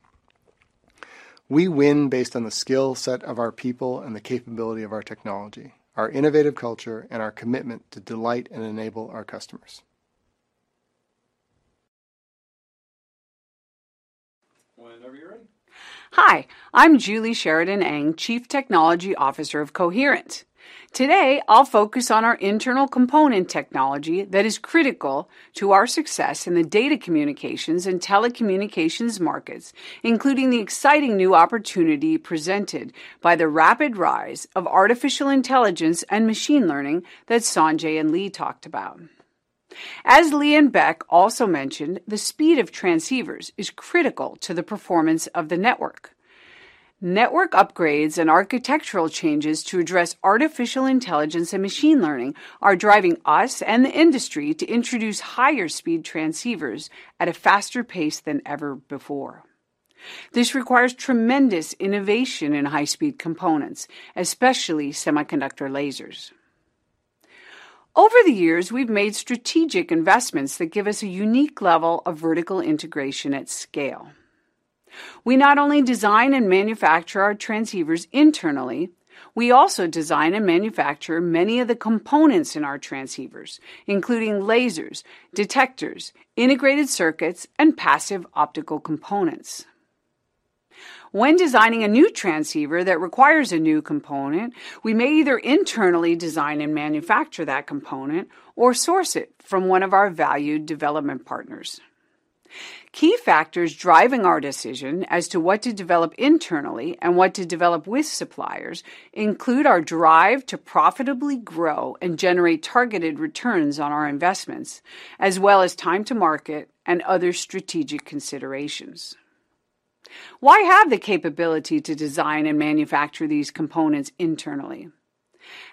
We win based on the skill set of our people and the capability of our technology, our innovative culture, and our commitment to delight and enable our customers. Whenever you're ready. Hi, I'm Julie Sheridan Eng, Chief Technology Officer of Coherent. Today, I'll focus on our internal component technology that is critical to our success in the data communications and telecommunications markets, including the exciting new opportunity presented by the rapid rise of artificial intelligence and machine learning that Sanjai and Lee talked about. As Lee and Beck also mentioned, the speed of transceivers is critical to the performance of the network. Network upgrades and architectural changes to address artificial intelligence and machine learning are driving us and the industry to introduce higher speed transceivers at a faster pace than ever before. This requires tremendous innovation in high-speed components, especially semiconductor lasers. Over the years, we've made strategic investments that give us a unique level of vertical integration at scale. We not only design and manufacture our transceivers internally, we also design and manufacture many of the components in our transceivers, including lasers, detectors, integrated circuits, and passive optical components. When designing a new transceiver that requires a new component, we may either internally design and manufacture that component or source it from one of our valued development partners. Key factors driving our decision as to what to develop internally and what to develop with suppliers include our drive to profitably grow and generate targeted returns on our investments, as well as time to market and other strategic considerations. Why have the capability to design and manufacture these components internally?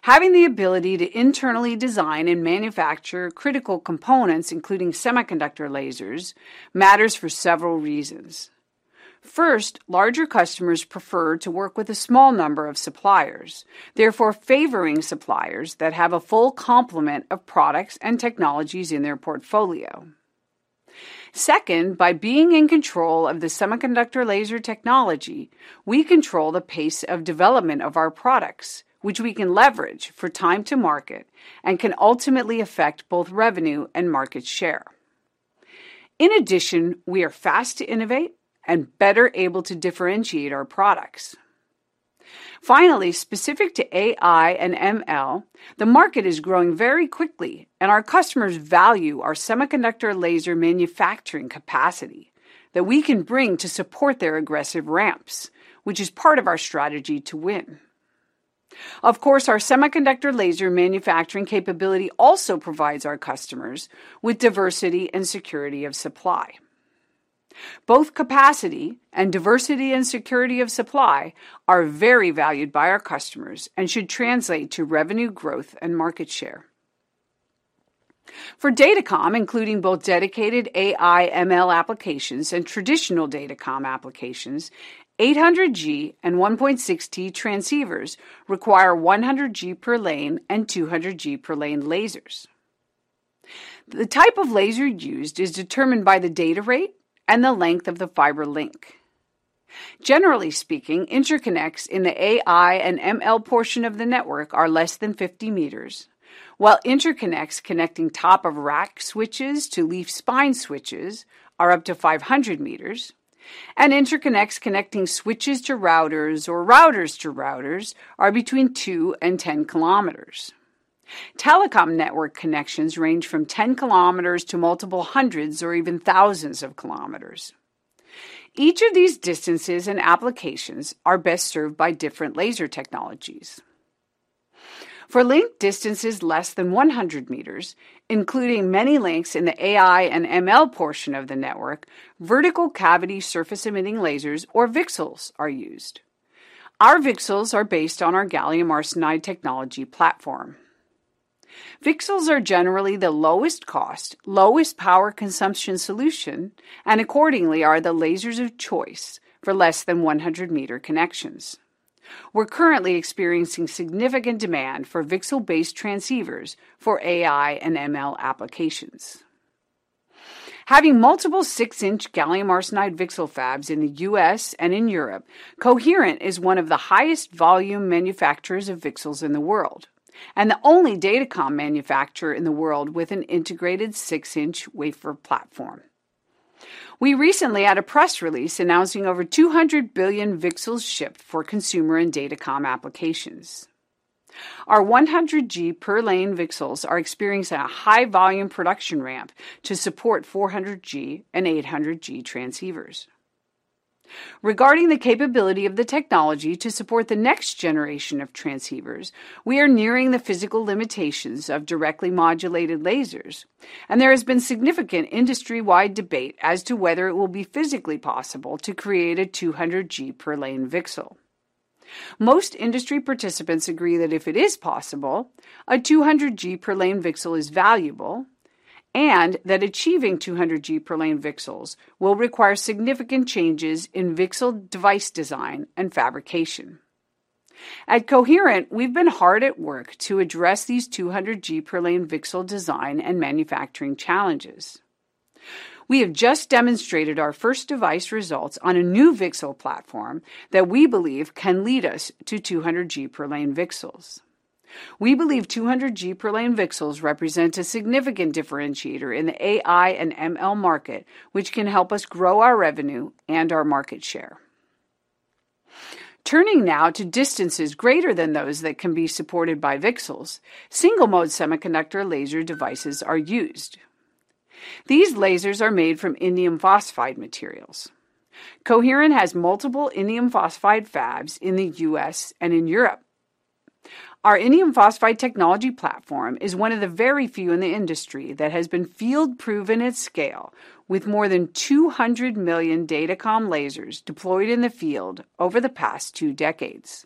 Having the ability to internally design and manufacture critical components, including semiconductor lasers, matters for several reasons. First, larger customers prefer to work with a small number of suppliers, therefore favoring suppliers that have a full complement of products and technologies in their portfolio. Second, by being in control of the semiconductor laser technology, we control the pace of development of our products, which we can leverage for time to market and can ultimately affect both revenue and market share. In addition, we are fast to innovate and better able to differentiate our products. Finally, specific to AI and ML, the market is growing very quickly, and our customers value our semiconductor laser manufacturing capacity that we can bring to support their aggressive ramps, which is part of our strategy to win. Of course, our semiconductor laser manufacturing capability also provides our customers with diversity and security of supply. Both capacity and diversity and security of supply are very valued by our customers and should translate to revenue growth and market share. For datacom, including both dedicated AI/ML applications and traditional datacom applications, 800G and 1.6T transceivers require 100G per lane and 200G per lane lasers. The type of laser used is determined by the data rate and the length of the fiber link. Generally speaking, interconnects in the AI and ML portion of the network are less than 50 meters, while interconnects connecting top-of-rack switches to leaf spine switches are up to 500 meters, and interconnects connecting switches to routers or routers to routers are between 2 and 10 kilometers. Telecom network connections range from 10 kilometers to multiple hundreds or even thousands of kilometers. Each of these distances and applications are best served by different laser technologies. For link distances less than 100 meters, including many links in the AI and ML portion of the network, vertical cavity surface emitting lasers, or VCSELs, are used. Our VCSELs are based on our gallium arsenide technology platform. VCSELs are generally the lowest cost, lowest power consumption solution, and accordingly are the lasers of choice for less than 100 meter connections. We're currently experiencing significant demand for VCSEL-based transceivers for AI and ML applications. Having multiple 6-inch gallium arsenide VCSEL fabs in the U.S. and in Europe, Coherent is one of the highest volume manufacturers of VCSELs in the world, and the only Datacom manufacturer in the world with an integrated 6-inch wafer platform. We recently had a press release announcing over 200 billion VCSELs shipped for consumer and Datacom applications. Our 100G per lane VCSELs are experiencing a high volume production ramp to support 400G and 800G transceivers. Regarding the capability of the technology to support the next generation of transceivers, we are nearing the physical limitations of directly modulated lasers, and there has been significant industry-wide debate as to whether it will be physically possible to create a 200G per lane VCSEL. Most industry participants agree that if it is possible, a 200G per lane VCSEL is valuable, and that achieving 200G per lane VCSELs will require significant changes in VCSEL device design and fabrication at Coherent, we've been hard at work to address these 200G per lane VCSEL design and manufacturing challenges. We have just demonstrated our first device results on a new VCSEL platform that we believe can lead us to 200G per lane VCSELs. We believe 200G per lane VCSELs represent a significant differentiator in the AI and ML market, which can help us grow our revenue and our market share. Turning now to distances greater than those that can be supported by VCSELs, single mode semiconductor laser devices are used. These lasers are made from indium phosphide materials. Coherent has multiple indium phosphide fabs in the US and in Europe. Our ondium phosphide technology platform is one of the very few in the industry that has been field-proven at scale, with more than 200 million Datacom lasers deployed in the field over the past two decades.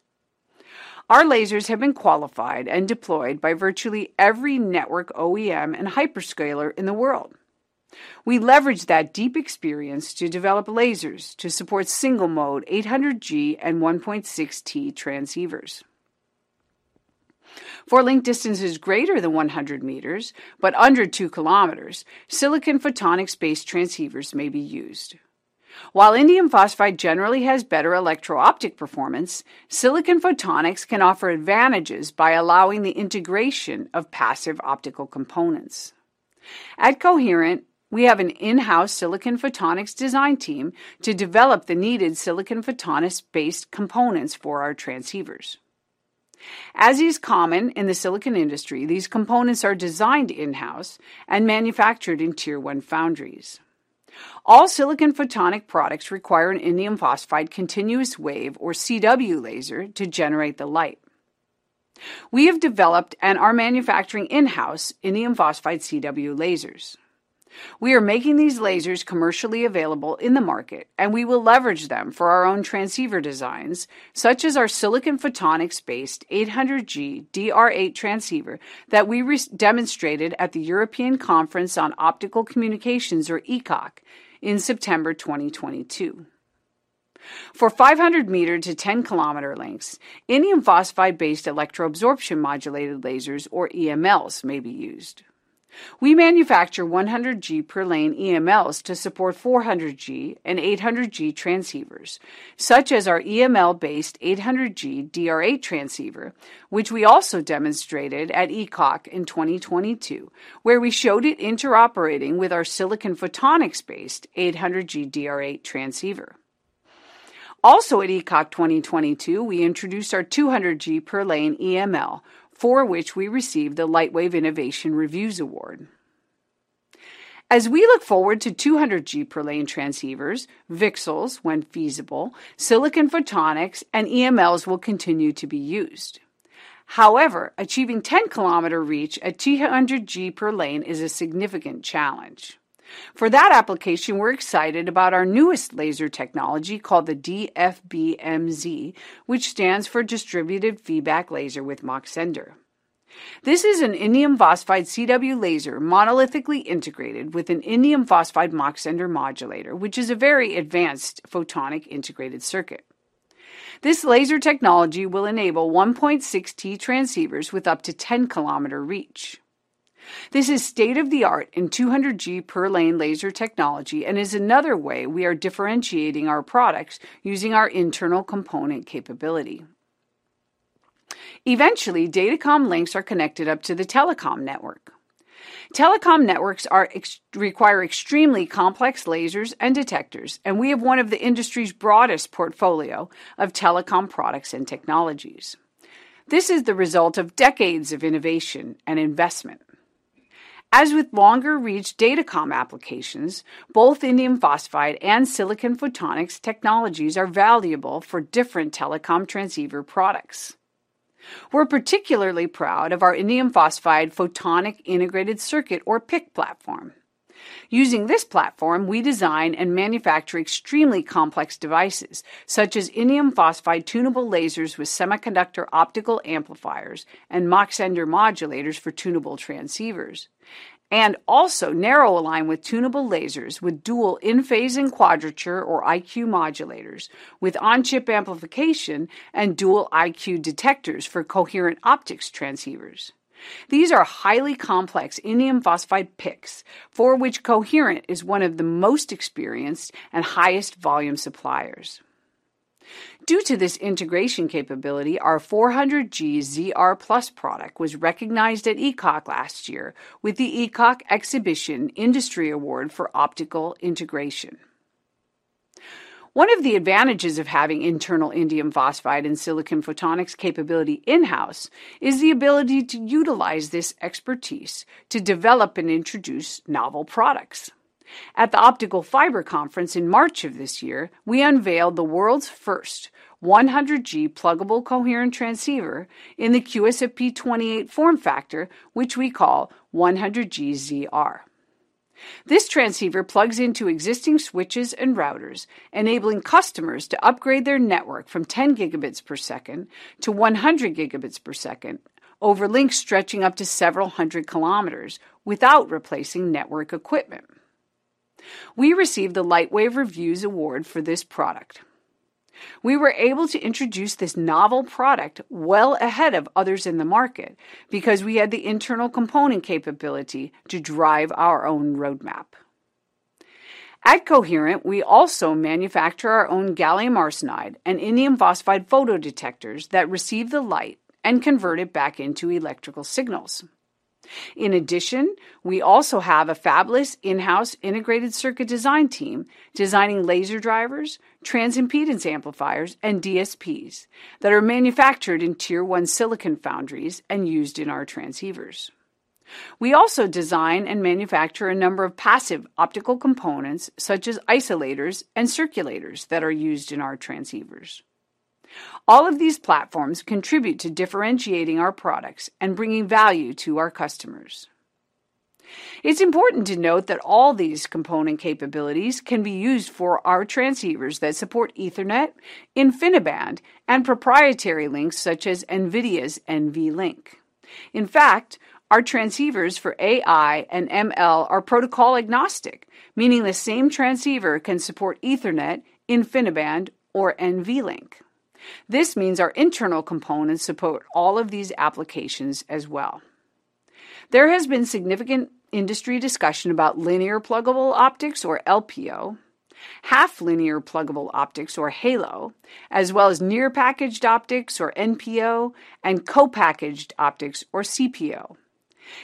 Our lasers have been qualified and deployed by virtually every network OEM and hyperscaler in the world. We leverage that deep experience to develop lasers to support single-mode 800G and 1.6T transceivers. For link distances greater than 100 meters but under 2 kilometers, silicon photonics-based transceivers may be used. While indium phosphide generally has better electro-optic performance, silicon photonics can offer advantages by allowing the integration of passive optical components. At Coherent, we have an in-house silicon photonics design team to develop the needed silicon photonics-based components for our transceivers. As is common in the silicon industry, these components are designed in-house and manufactured in Tier 1 foundries. All silicon photonic products require an indium phosphide Continuous Wave, or CW laser, to generate the light. We have developed and are manufacturing in-house indium phosphide CW lasers. We are making these lasers commercially available in the market, and we will leverage them for our own transceiver designs, such as our silicon photonics-based 800G DR8 transceiver that we demonstrated at the European Conference on Optical Communications, or ECOC, in September 2022. For 500-meter to 10-kilometer links, indium phosphide-based electro absorption modulated lasers, or EMLs, may be used. We manufacture 100G per lane EMLs to support 400G and 800G transceivers, such as our EML-based 800G DR8 transceiver, which we also demonstrated at ECOC in 2022, where we showed it interoperating with our silicon photonics-based 800G DR8 transceiver. Also at ECOC 2022, we introduced our 200G per lane EML, for which we received the Lightwave Innovation Reviews Award. As we look forward to 200G per lane transceivers, VCSELs, when feasible, silicon photonics, and EMLs will continue to be used. However, achieving 10-kilometer reach at 200G per lane is a significant challenge. For that application, we're excited about our newest laser technology, called the DFBMZ, which stands for Distributed Feedback Laser with Mach-Zehnder. This is an indium phosphide CW laser, monolithically integrated with an indium phosphide Mach-Zehnder modulator, which is a very advanced photonic integrated circuit. This laser technology will enable 1.6T transceivers with up to 10-kilometer reach. This is state-of-the-art in 200G per lane laser technology and is another way we are differentiating our products using our internal component capability. Eventually, Datacom links are connected up to the Telecom network. Telecom networks require extremely complex lasers and detectors, and we have one of the industry's broadest portfolio of telecom products and technologies. This is the result of decades of innovation and investment. As with longer-reach datacom applications, both indium phosphide and silicon photonics technologies are valuable for different telecom transceiver products. We're particularly proud of our indium phosphide photonic integrated circuit, or PIC, platform. Using this platform, we design and manufacture extremely complex devices, such as indium phosphide tunable lasers with semiconductor optical amplifiers and Mach-Zehnder modulators for tunable transceivers, and also narrow align with tunable lasers with dual in-phase and quadrature, or IQ, modulators, with on-chip amplification and dual IQ detectors for coherent optics transceivers. These are highly complex indium phosphide PICs, for which Coherent is one of the most experienced and highest volume suppliers. Due to this integration capability, our 400G ZR+ product was recognized at ECOC last year with the ECOC Exhibition Industry Award for Optical Integration. One of the advantages of having internal indium phosphide and silicon photonics capability in-house is the ability to utilize this expertise to develop and introduce novel products. At the Optical Fiber Conference in March of this year, we unveiled the world's first 100G pluggable coherent transceiver in the QSFP-28 form factor, which we call 100G ZR. This transceiver plugs into existing switches and routers, enabling customers to upgrade their network from 10 gigabits per second to 100 gigabits per second over links stretching up to several hundred kilometers without replacing network equipment. We received the Lightwave Reviews Award for this product. We were able to introduce this novel product well ahead of others in the market because we had the internal component capability to drive our own roadmap. At Coherent, we also manufacture our own gallium arsenide and indium phosphide photodetectors that receive the light and convert it back into electrical signals. In addition, we also have a fabless in-house integrated circuit design team, designing laser drivers, transimpedance amplifiers, and DSPs that are manufactured in Tier One silicon foundries and used in our transceivers. We also design and manufacture a number of passive optical components, such as isolators and circulators, that are used in our transceivers. All of these platforms contribute to differentiating our products and bringing value to our customers. It's important to note that all these component capabilities can be used for our transceivers that support Ethernet, InfiniBand, and proprietary links such as NVIDIA's NVLink. In fact, our transceivers for AI and ML are protocol-agnostic, meaning the same transceiver can support Ethernet, InfiniBand, or NVLink. This means our internal components support all of these applications as well. There has been significant industry discussion about linear pluggable optics, or LPO, half linear pluggable optics, or HALO, as well as near package optics, or NPO, and co-packaged optics, or CPO.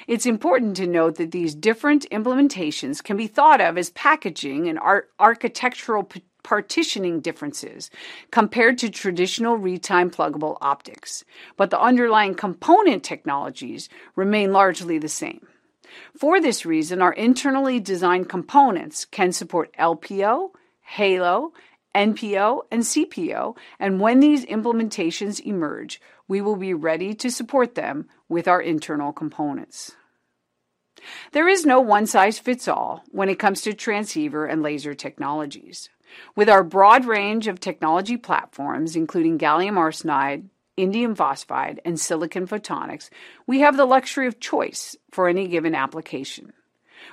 It's important to note that these different implementations can be thought of as packaging and architectural partitioning differences compared to traditional retimer pluggable optics. But the underlying component technologies remain largely the same. For this reason, our internally designed components can support LPO, HALO, NPO, and CPO, and when these implementations emerge, we will be ready to support them with our internal components. There is no one-size-fits-all when it comes to transceiver and laser technologies. With our broad range of technology platforms, including gallium arsenide, indium phosphide, and silicon photonics, we have the luxury of choice for any given application.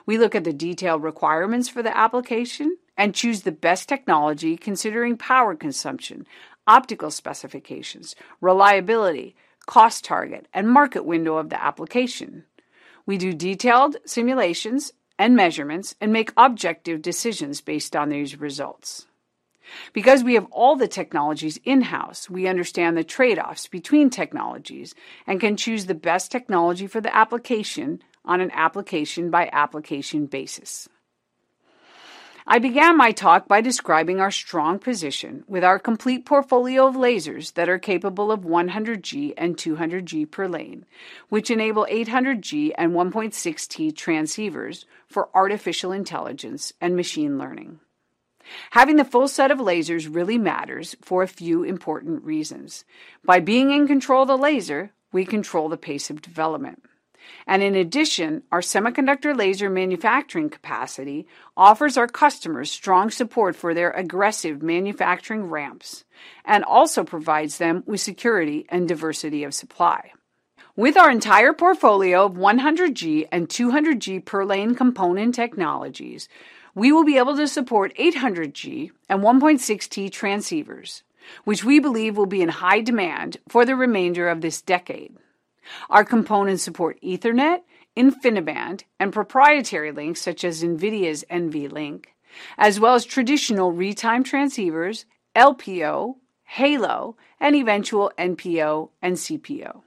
We look at the detailed requirements for the application and choose the best technology, considering power consumption, optical specifications, reliability, cost target, and market window of the application. We do detailed simulations and measurements and make objective decisions based on these results. Because we have all the technologies in-house, we understand the trade-offs between technologies and can choose the best technology for the application on an application-by-application basis. I began my talk by describing our strong position with our complete portfolio of lasers that are capable of 100G and 200G per lane, which enable 800G and 1.6T transceivers for artificial intelligence and machine learning. Having the full set of lasers really matters for a few important reasons. By being in control of the laser, we control the pace of development, and in addition, our semiconductor laser manufacturing capacity offers our customers strong support for their aggressive manufacturing ramps and also provides them with security and diversity of supply. With our entire portfolio of 100G and 200G per lane component technologies, we will be able to support 800G and 1.6T transceivers, which we believe will be in high demand for the remainder of this decade. Our components support Ethernet, InfiniBand, and proprietary links such as NVIDIA's NVLink, as well as traditional retimed transceivers, LPO, HALO, and eventual NPO and CPO.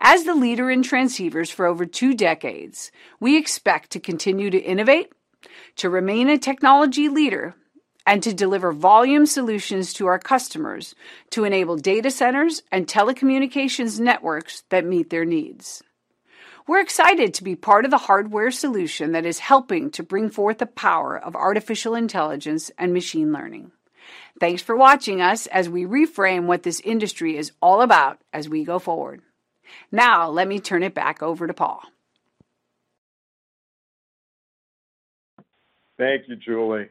As the leader in transceivers for over two decades, we expect to continue to innovate, to remain a technology leader, and to deliver volume solutions to our customers to enable data centers and telecommunications networks that meet their needs. We're excited to be part of the hardware solution that is helping to bring forth the power of artificial intelligence and machine learning. Thanks for watching us as we reframe what this industry is all about as we go forward. Now, let me turn it back over to Paul. Thank you, Julie.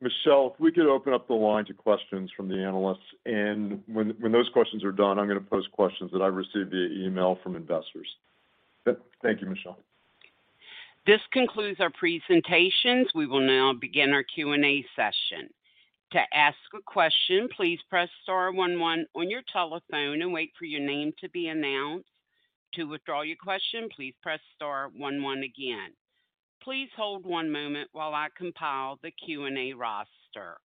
Michelle, if we could open up the line to questions from the analysts, and when those questions are done, I'm going to pose questions that I received via email from investors. Thank you, Michelle. This concludes our presentations. We will now begin our Q&A session. To ask a question, please press star one one on your telephone and wait for your name to be announced. To withdraw your question, please press star one one again. Please hold one moment while I compile the Q&A roster.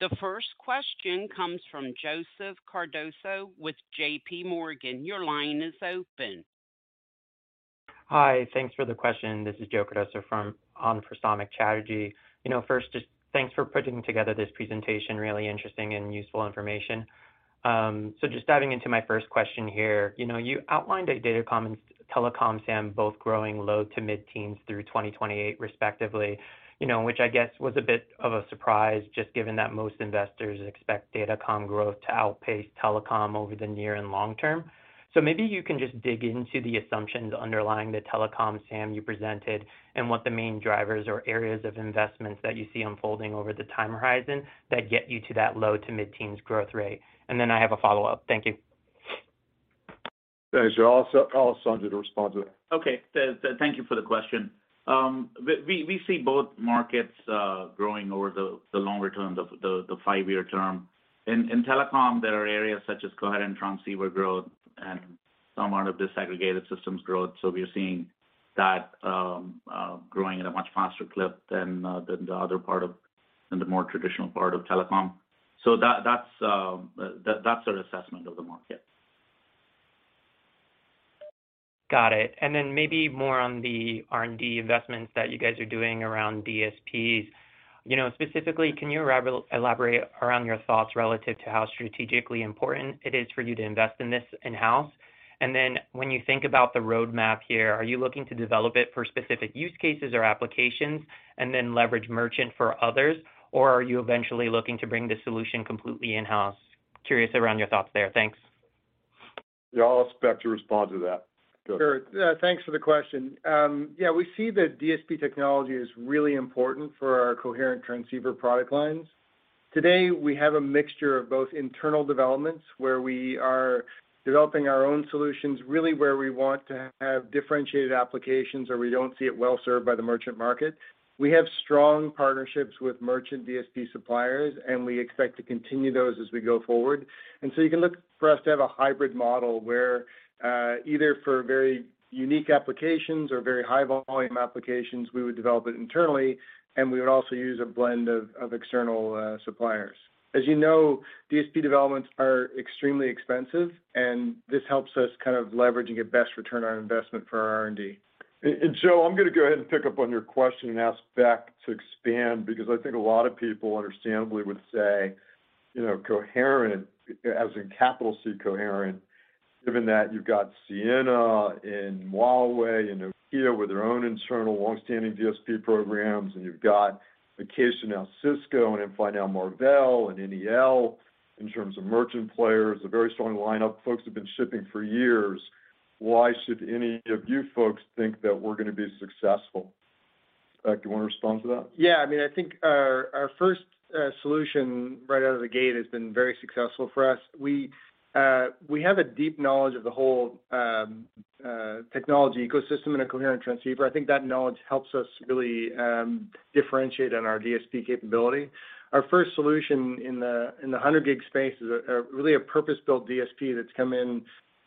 The first question comes from Joseph Cardoso with JPMorgan. Your line is open. Hi, thanks for the question. This is Joseph Cardoso from JPMorgan on for Samik Chatterjee. You know, first, just thanks for putting together this presentation. Really interesting and useful information. So just diving into my first question here, you know, you outlined that datacom and telecom SAM both growing low to mid-teens through 2028 respectively, you know, which I guess was a bit of a surprise, just given that most investors expect datacom growth to outpace telecom over the near and long term. So maybe you can just dig into the assumptions underlying the telecom SAM you presented, and what the main drivers or areas of investments that you see unfolding over the time horizon that get you to that low to mid-teens growth rate. And then I have a follow-up. Thank you. Thanks, Joe. I'll ask Sanjai to respond to that. Okay. So thank you for the question. We see both markets growing over the longer term, the five-year term. In telecom, there are areas such as coherent transceiver growth and some amount of disaggregated systems growth. So we are seeing that growing at a much faster clip than the more traditional part of telecom. So that's our assessment of the market. Got it. And then maybe more on the R&D investments that you guys are doing around DSPs. You know, specifically, can you elaborate around your thoughts relative to how strategically important it is for you to invest in this in-house? And then when you think about the roadmap here, are you looking to develop it for specific use cases or applications and then leverage merchant for others? Or are you eventually looking to bring the solution completely in-house? Curious around your thoughts there. Thanks. Yeah, I'll ask Beck to respond to that. Go ahead. Sure. Thanks for the question. Yeah, we see that DSP technology is really important for our coherent transceiver product lines. Today, we have a mixture of both internal developments, where we are developing our own solutions, really where we want to have differentiated applications, or we don't see it well served by the merchant market. We have strong partnerships with merchant DSP suppliers, and we expect to continue those as we go forward. And so you can look for us to have a hybrid model, where either for very unique applications or very high volume applications, we would develop it internally, and we would also use a blend of external suppliers. As you know, DSP developments are extremely expensive, and this helps us kind of leverage and get best return on investment for our R&D. Joe, I'm gonna go ahead and pick up on your question and ask Beck to expand, because I think a lot of people understandably would say, you know, Coherent, as in capital C, Coherent, given that you've got Ciena and Huawei and Nokia with their own internal long-standing DSP programs, and you've got the Ciena now Cisco and then finally now Marvell and NEL, in terms of merchant players, a very strong lineup. Folks have been shipping for years. Why should any of you folks think that we're gonna be successful? Beck, do you want to respond to that? Yeah. I mean, I think our first solution right out of the gate has been very successful for us. We have a deep knowledge of the whole technology ecosystem in a coherent transceiver. I think that knowledge helps us really differentiate on our DSP capability. Our first solution in the 100 gig space is a really purpose-built DSP that's come in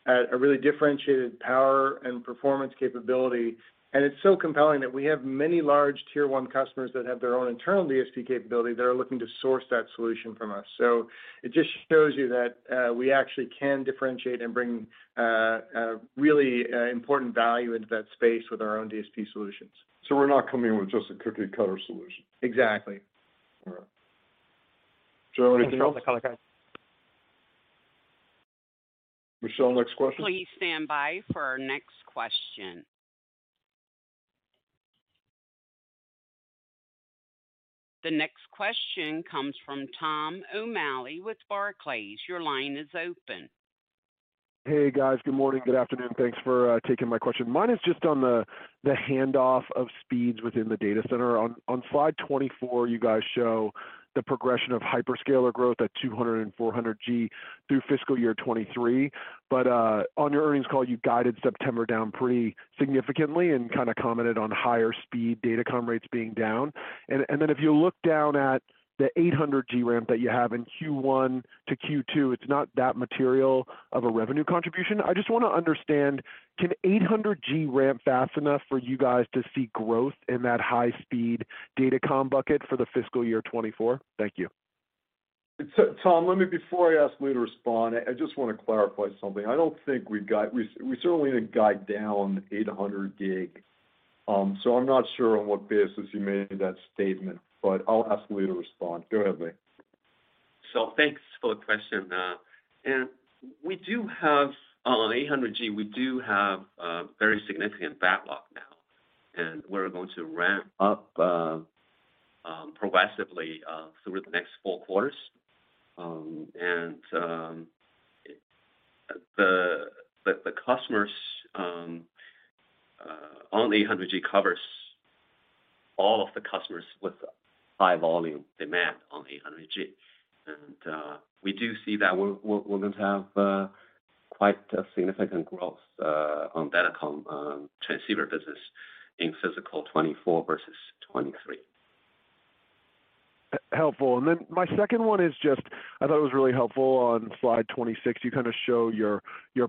at a really differentiated power and performance capability. And it's so compelling that we have many large tier one customers that have their own internal DSP capability that are looking to source that solution from us. So it just shows you that we actually can differentiate and bring a really important value into that space with our own DSP solutions. So we're not coming in with just a cookie-cutter solution? Exactly. All right. Joe, anything else? Thanks for the color, guys. Michelle, next question. Please stand by for our next question. The next question comes from Tom O'Malley with Barclays. Your line is open. Hey, guys. Good morning. Good afternoon. Thanks for taking my question. Mine is just on the handoff of speeds within the data center. On slide 24, you guys show the progression of hyperscaler growth at 200 and 400 G through fiscal year 2023. But on your earnings call, you guided September down pretty significantly and kinda commented on higher speed datacom rates being down. And then if you look down at the 800 G ramp that you have in Q1 to Q2, it's not that material of a revenue contribution. I just wanna understand, can 800 G ramp fast enough for you guys to see growth in that high-speed datacom bucket for the fiscal year 2024? Thank you. So Tom, let me before I ask Lee to respond, I just want to clarify something. I don't think we've guided. We certainly didn't guide down 800 gig. So I'm not sure on what basis you made that statement, but I'll ask Lee to respond. Go ahead, Lee. So thanks for the question. And we do have, on 800G, we do have a very significant backlog now, and we're going to ramp up progressively through the next four quarters. And the customers on 800G covers all of the customers with high volume demand on 800G. And we do see that we're going to have quite a significant growth on datacom transceiver business in fiscal 2024 versus 2023. Helpful. Then my second one is just, I thought it was really helpful on slide 26, you kinda show your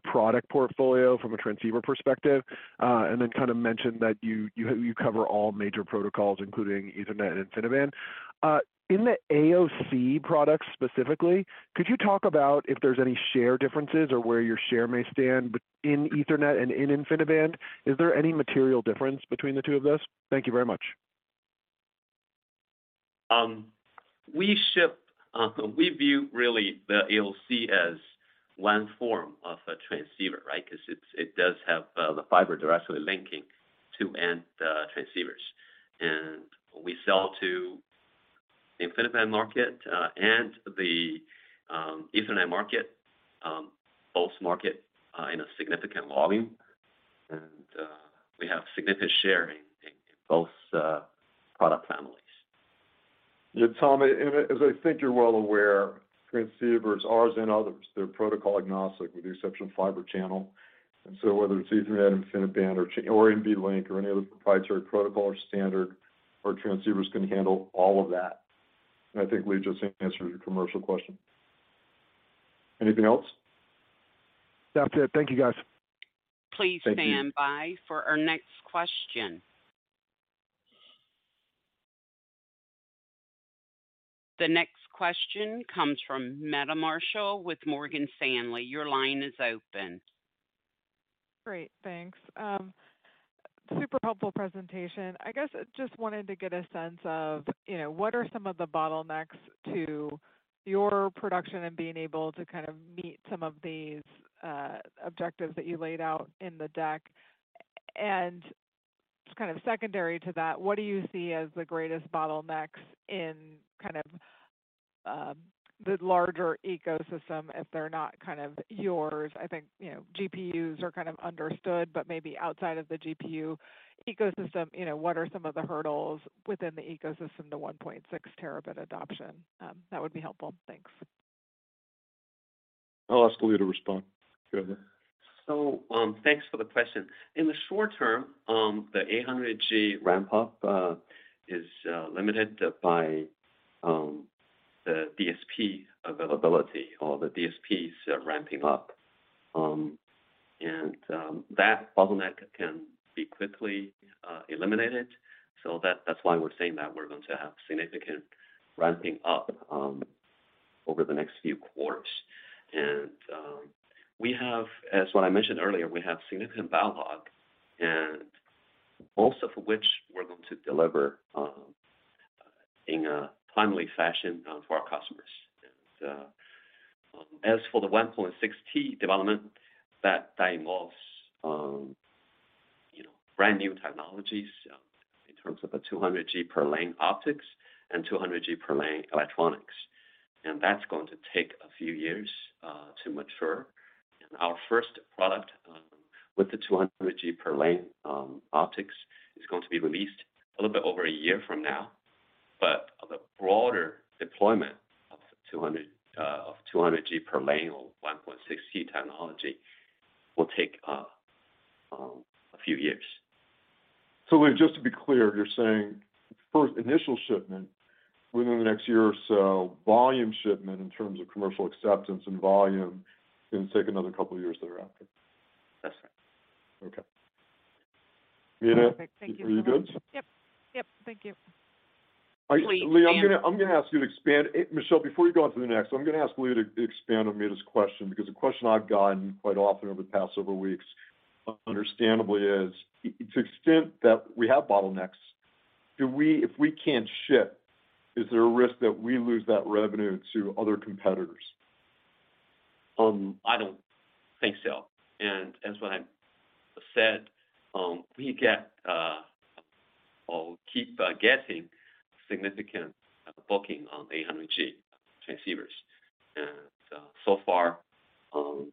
product portfolio from a transceiver perspective, and then kind of mention that you cover all major protocols, including Ethernet and InfiniBand. In the AOC products specifically, could you talk about if there's any share differences or where your share may stand between in Ethernet and in InfiniBand? Is there any material difference between the two of those? Thank you very much. We view really the AOC as one form of a transceiver, right? Because it's, it does have, the fiber directly linking to end transceivers. And we sell to InfiniBand market, and the Ethernet market, both markets, in a significant volume. And we have significant share in both product families. Yeah, Tom, as I think you're well aware, transceivers, ours and others, they're protocol agnostic with the exception of Fibre channel. And so whether it's Ethernet, InfiniBand, or NVLink, or any other proprietary protocol or standard, our transceivers can handle all of that. And I think we just answered your commercial question. Anything else? That's it. Thank you, guys. Please stand by for our next question. The next question comes from Meta Marshall with Morgan Stanley. Your line is open. Great, thanks. Super helpful presentation. I guess I just wanted to get a sense of, you know, what are some of the bottlenecks to your production and being able to kind of meet some of these, objectives that you laid out in the deck? And just kind of secondary to that, what do you see as the greatest bottlenecks in kind of, the larger ecosystem if they're not kind of yours? I think, you know, GPUs are kind of understood, but maybe outside of the GPU ecosystem, you know, what are some of the hurdles within the ecosystem to 1.6 terabit adoption? That would be helpful. Thanks. I'll ask Lee Xu to respond. Go ahead, Lee Xu. So, thanks for the question. In the short term, the 800G ramp up is limited by the DSP availability or the DSPs ramping up. And, that bottleneck can be quickly eliminated. So that's why we're saying that we're going to have significant ramping up over the next few quarters. And, we have, as what I mentioned earlier, we have significant backlog, and most of which we're going to deliver in a timely fashion for our customers. And, as for the 1.6T development, that involves, you know, brand-new technologies in terms of a 200G per lane optics and 200G per lane electronics. And that's going to take a few years to mature. Our first product with the 200G per lane optics is going to be released a little bit over a year from now. The broader deployment of 200 of 200G per lane or 1.6T technology will take a few years. Lee Xu, just to be clear, you're saying first initial shipment within the next year or so, volume shipment in terms of commercial acceptance and volume, going to take another couple of years thereafter? That's right. Okay. Mita- Perfect. Thank you so much. Are you good? Yep. Yep, thank you. Please stand- Lee, I'm gonna, I'm gonna ask you to expand. Michelle, before you go on to the next, I'm gonna ask Lee to expand on Meta's question, because the question I've gotten quite often over the past several weeks, understandably, is: to the extent that we have bottlenecks, if we can't ship, is there a risk that we lose that revenue to other competitors? I don't think so. As what I said, we get or keep getting significant booking on 800-gig transceivers. So far, when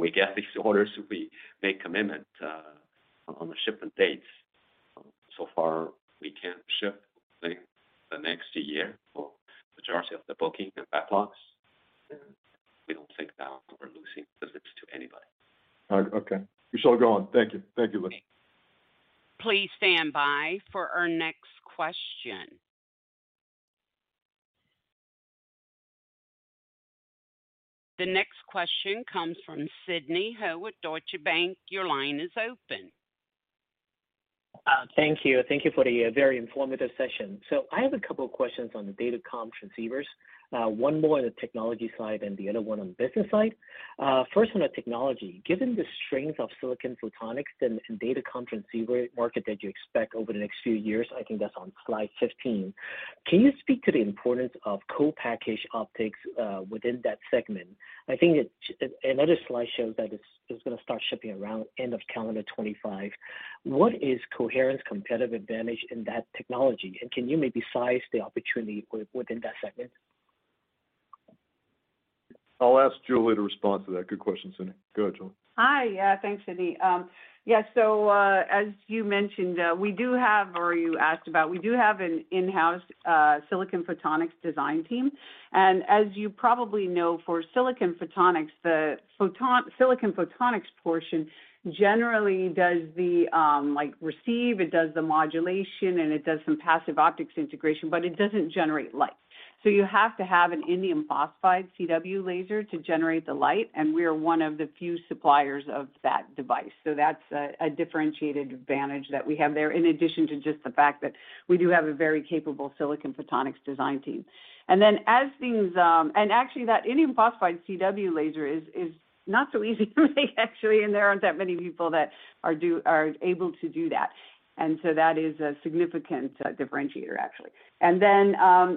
we get these orders, we make commitment on the shipment dates. So far, we can ship within the next year for the majority of the booking and backlogs. We don't think that we're losing business to anybody. All right. Okay. Michelle, go on. Thank you. Thank you, Lee. Please stand by for our next question. The next question comes from Sidney Ho with Deutsche Bank. Your line is open. Thank you. Thank you for the very informative session. So I have a couple of questions on the datacom transceivers. One more on the technology side and the other one on the business side. First one on technology: Given the strength of silicon photonics and datacom transceiver market that you expect over the next few years, I think that's on slide 15, can you speak to the importance of co-packaged optics within that segment? I think it, another slide shows that it's gonna start shipping around end of calendar 2025. What is Coherent's competitive advantage in that technology, and can you maybe size the opportunity within that segment? I'll ask Julie to respond to that. Good question, Sidney. Go ahead, Julie. Hi. Yeah, thanks, Sidney. Yes, so as you mentioned, we do have, or you asked about, we do have an in-house silicon photonics design team. As you probably know, for silicon photonics, the silicon photonics portion generally does the receiving, it does the modulation, and it does some passive optics integration, but it doesn't generate light. So you have to have an indium phosphide CW laser to generate the light, and we are one of the few suppliers of that device. So that's a differentiated advantage that we have there, in addition to just the fact that we do have a very capable silicon photonics design team. Then as things, and actually, that indium phosphide CW laser is not so easy to make, actually, and there aren't that many people that are able to do that. And so that is a significant differentiator, actually. And then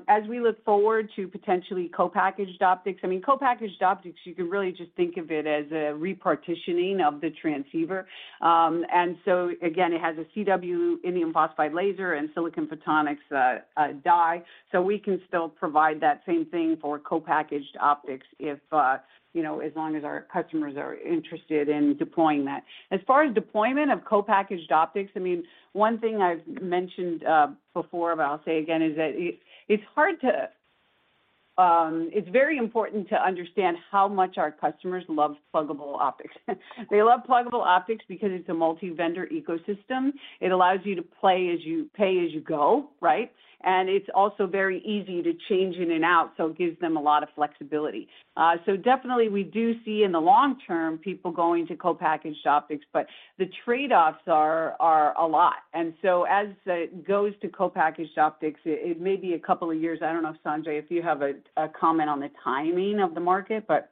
as we look forward to potentially Co-Packaged Optics, I mean, Co-Packaged Optics, you can really just think of it as a repartitioning of the transceiver. And so again, it has a CW indium phosphide laser and silicon photonics die. So we can still provide that same thing for Co-Packaged Optics if you know, as long as our customers are interested in deploying that. As far as deployment of Co-Packaged Optics, I mean, one thing I've mentioned before, but I'll say again, is that it's very important to understand how much our customers love pluggable optics. They love pluggable optics because it's a multi-vendor ecosystem. It allows you to pay as you go, right? It's also very easy to change in and out, so it gives them a lot of flexibility. Definitely we do see in the long term, people going to co-packaged optics, but the trade-offs are a lot. As it goes to co-packaged optics, it may be a couple of years. I don't know, Sanjai, if you have a comment on the timing of the market, but-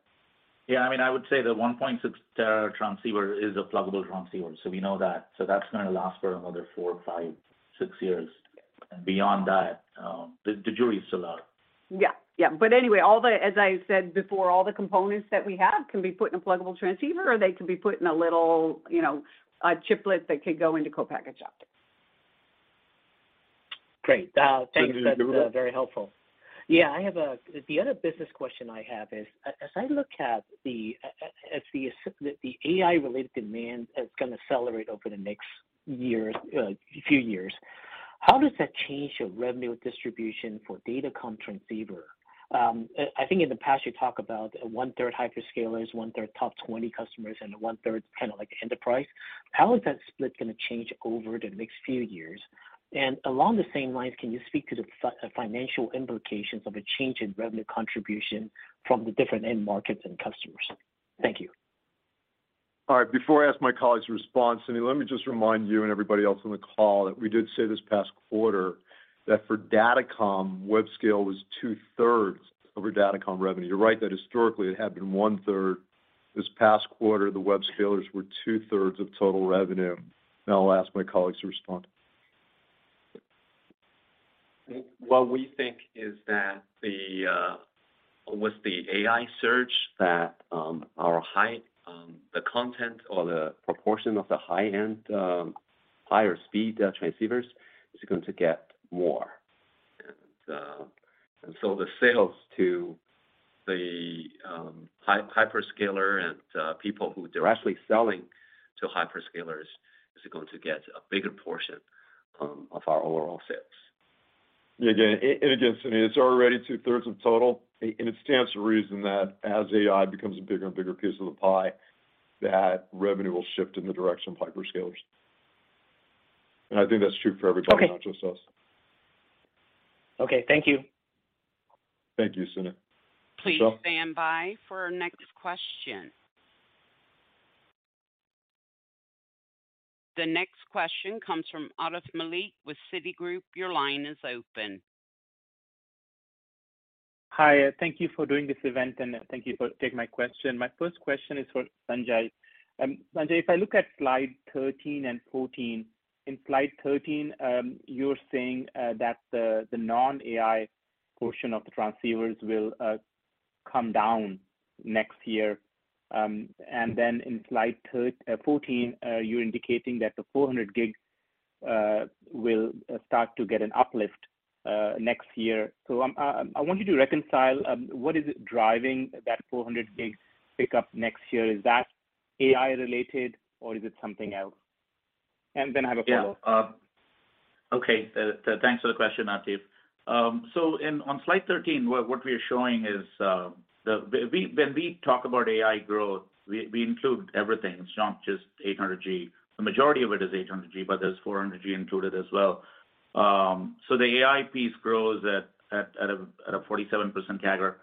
Yeah, I mean, I would say the 1.6T transceiver is a pluggable transceiver, so we know that. So that's gonna last for another four, five, six years. And beyond that, the jury is still out. Yeah. Yeah, but anyway, as I said before, all the components that we have can be put in a pluggable transceiver, or they can be put in a little, you know, a chiplet that could go into co-packaged optics. Great. Thanks. That's very helpful. Yeah, I have the other business question I have is, as I look at the AI-related demand that's going to accelerate over the next few years, how does that change your revenue distribution for datacom transceiver? I think in the past, you talk about one-third hyperscalers, one-third top 20 customers, and one-third kind of like enterprise. How is that split going to change over the next few years? And along the same lines, can you speak to the financial implications of a change in revenue contribution from the different end markets and customers? Thank you. All right, before I ask my colleagues to respond, Sunny, let me just remind you and everybody else on the call that we did say this past quarter, that for Datacom, web-scale was two-thirds over Datacom revenue. You're right that historically it had been one-third. This past quarter, the web-scalers were two-thirds of total revenue. Now I'll ask my colleagues to respond. What we think is that with the AI search, that our high, the content or the proportion of the high-end, higher speed transceivers is going to get more. The sales to the hyperscaler and people who they're actually selling to hyperscalers, is going to get a bigger portion of our overall sales. Yeah, again and again, Sunny, it's already two-thirds of total. And it stands to reason that as AI becomes a bigger and bigger piece of the pie, that revenue will shift in the direction of hyperscalers. And I think that's true for everybody- Okay. Not just us. Okay. Thank you. Thank you, Sunny. Michelle? Please stand by for our next question. The next question comes from Atif Malik with Citigroup. Your line is open. Hi, thank you for doing this event, and thank you for taking my question. My first question is for Sanjai. Sanjai, if I look at slide 13 and 14, in slide 13, you're saying that the non-AI portion of the transceivers will come down next year. And then in slide 14, you're indicating that the 400 gig will start to get an uplift next year. So, I want you to reconcile what is it driving that 400 gigs pick up next year? Is that AI related, or is it something else? And then I have a follow-up. Yeah, okay, thanks for the question, Atif. So on slide 13, what we are showing is the—when we talk about AI growth, we include everything. It's not just 800G. The majority of it is 800G, but there's 400G included as well. So the AI piece grows at a 47% CAGR.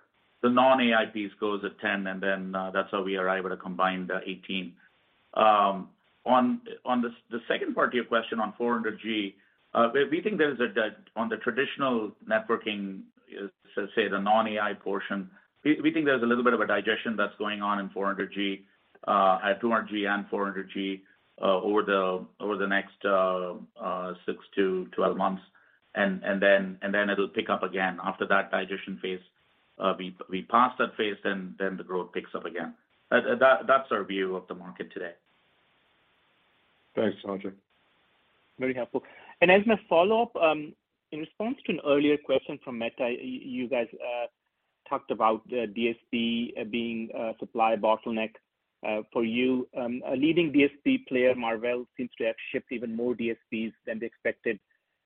The non-AI piece grows at 10, and then that's how we arrive at a combined 18. On the second part of your question on 400G, we think that on the traditional networking, so say the non-AI portion, we think there's a little bit of a digestion that's going on in 400G at 200G and 400G over the next 6-12 months. And then it'll pick up again after that digestion phase. We pass that phase, then the growth picks up again. That's our view of the market today. Thanks, Sanjai. Very helpful. As my follow-up, in response to an earlier question from Meta, you guys talked about DSP being a supply bottleneck for you. A leading DSP player, Marvell, seems to have shipped even more DSPs than they expected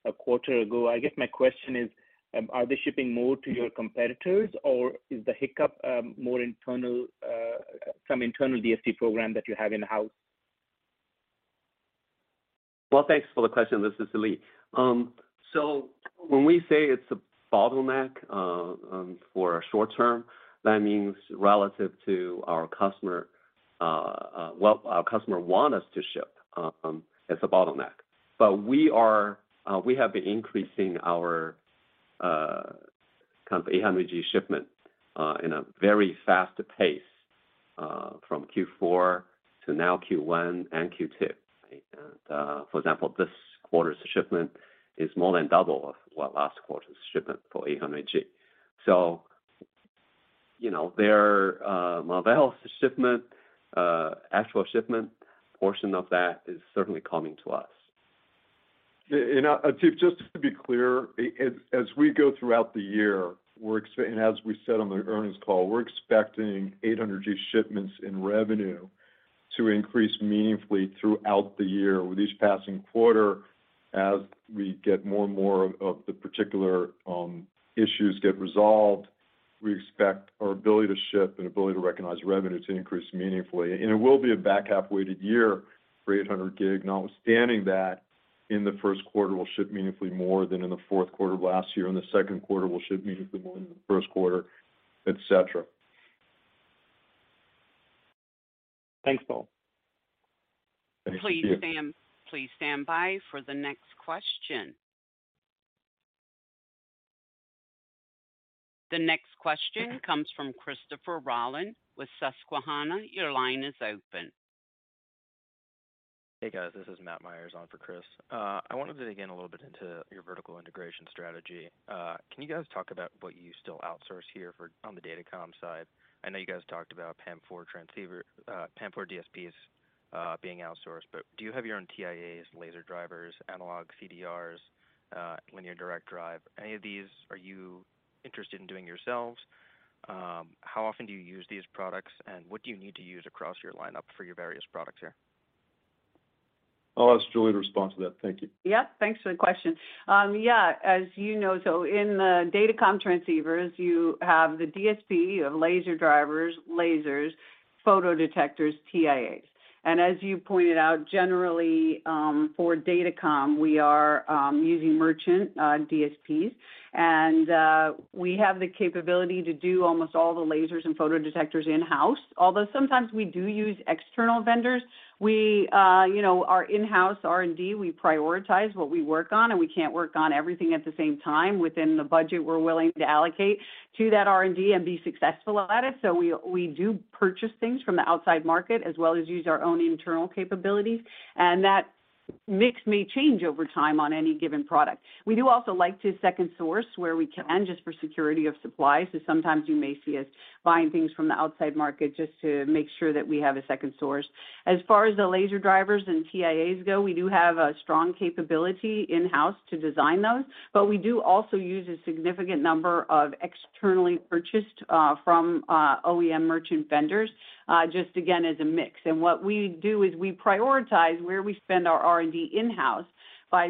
a quarter ago. I guess my question is, are they shipping more to your competitors, or is the hiccup more internal, some internal DSP program that you have in-house? Well, thanks for the question. This is Lee. So when we say it's a bottleneck, for a short term, that means relative to our customer, well, our customer want us to ship, it's a bottleneck. But we are-- we have been increasing our, kind of 800G shipment, in a very fast pace, from Q4 to now Q1 and Q2. For example, this quarter's shipment is more than double of what last quarter's shipment for 800G. So, you know, their, Marvell's shipment, actual shipment portion of that is certainly coming to us. Yeah, and Atif, just to be clear, as we go throughout the year, we're expecting and as we said on the earnings call, we're expecting 800G shipments in revenue to increase meaningfully throughout the year. With each passing quarter, as we get more and more of the particular issues get resolved, we expect our ability to ship and ability to recognize revenue to increase meaningfully. And it will be a back half-weighted year for 800 gig. Notwithstanding that, in the first quarter, we'll ship meaningfully more than in the fourth quarter of last year. In the second quarter, we'll ship meaningfully more than in the first quarter, et cetera. Thanks, Paul. Thanks. Please stand, please stand by for the next question. The next question comes from Christopher Rolland with Susquehanna. Your line is open. Hey, guys, this is Matt Myers on for Chris. I wanted to dig in a little bit into your vertical integration strategy. Can you guys talk about what you still outsource here for on the datacom side? I know you guys talked about PAM4 transceiver, PAM4 DSPs, being outsourced, but do you have your own TIAs, laser drivers, analog CDRs, linear direct drive? Any of these, are you interested in doing yourselves? How often do you use these products, and what do you need to use across your lineup for your various products here? I'll ask Julie to respond to that. Thank you. Yep, thanks for the question. Yeah, as you know, so in the datacom transceivers, you have the DSP, you have laser drivers, lasers, photodetectors, TIAs. And as you pointed out, generally, for datacom, we are using merchant DSPs. And we have the capability to do almost all the lasers and photodetectors in-house, although sometimes we do use external vendors. We, you know, our in-house R&D, we prioritize what we work on, and we can't work on everything at the same time within the budget we're willing to allocate to that R&D and be successful at it. So we do purchase things from the outside market as well as use our own internal capabilities, and that mix may change over time on any given product. We do also like to second source where we can, just for security of supply. So sometimes you may see us buying things from the outside market just to make sure that we have a second source. As far as the laser drivers and TIAs go, we do have a strong capability in-house to design those, but we do also use a significant number of externally purchased from OEM merchant vendors, just again, as a mix. And what we do is we prioritize where we spend our R&D in-house by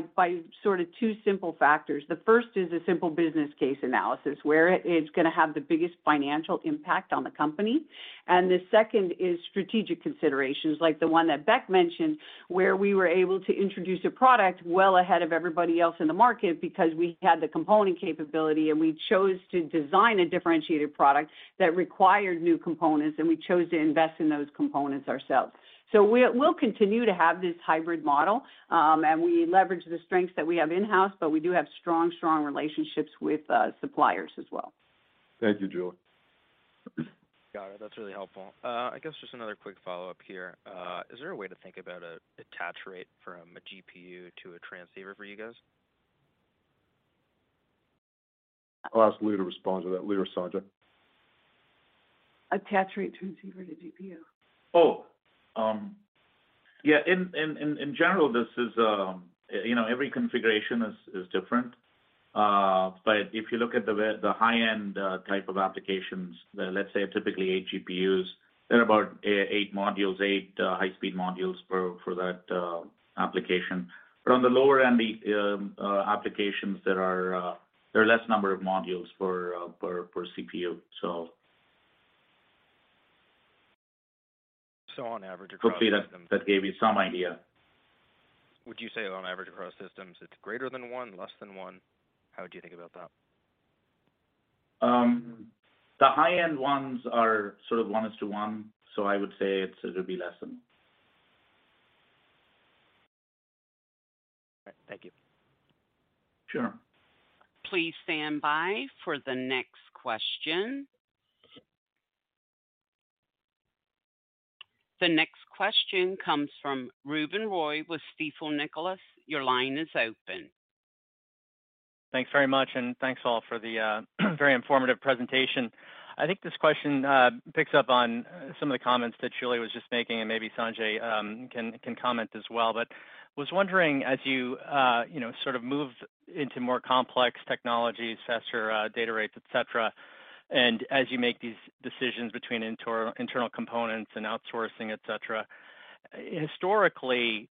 sort of two simple factors. The first is a simple business case analysis, where it's going to have the biggest financial impact on the company. The second is strategic considerations, like the one that Beck mentioned, where we were able to introduce a product well ahead of everybody else in the market because we had the component capability, and we chose to design a differentiated product that required new components, and we chose to invest in those components ourselves. So we'll continue to have this hybrid model, and we leverage the strengths that we have in-house, but we do have strong, strong relationships with suppliers as well. Thank you, Julie. Got it. That's really helpful. I guess just another quick follow-up here. Is there a way to think about an attach rate from a GPU to a transceiver for you guys? I'll ask Lee to respond to that. Lee or Sanjai. Attach rate transceiver to GPU. Yeah, in general, this is, you know, every configuration is different. But if you look at the way the high-end type of applications, let's say typically 8 GPUs, they're about 8 modules, 8 high-speed modules for that application. But on the lower end, the applications that are there are less number of modules per CPU, so. On average- Hopefully, that gave you some idea. Would you say on average across systems, it's greater than one, less than one? How would you think about that? The high-end ones are sort of one is to one, so I would say it's, it would be less than. Thank you. Sure. Please stand by for the next question. The next question comes from Ruben Roy with Stifel. Your line is open. Thanks very much, and thanks all for the very informative presentation. I think this question picks up on some of the comments that Julie was just making, and maybe Sanjai can comment as well. But was wondering, as you, you know, sort of move into more complex technologies, faster data rates, et cetera, and as you make these decisions between internal components and outsourcing, et cetera, historically,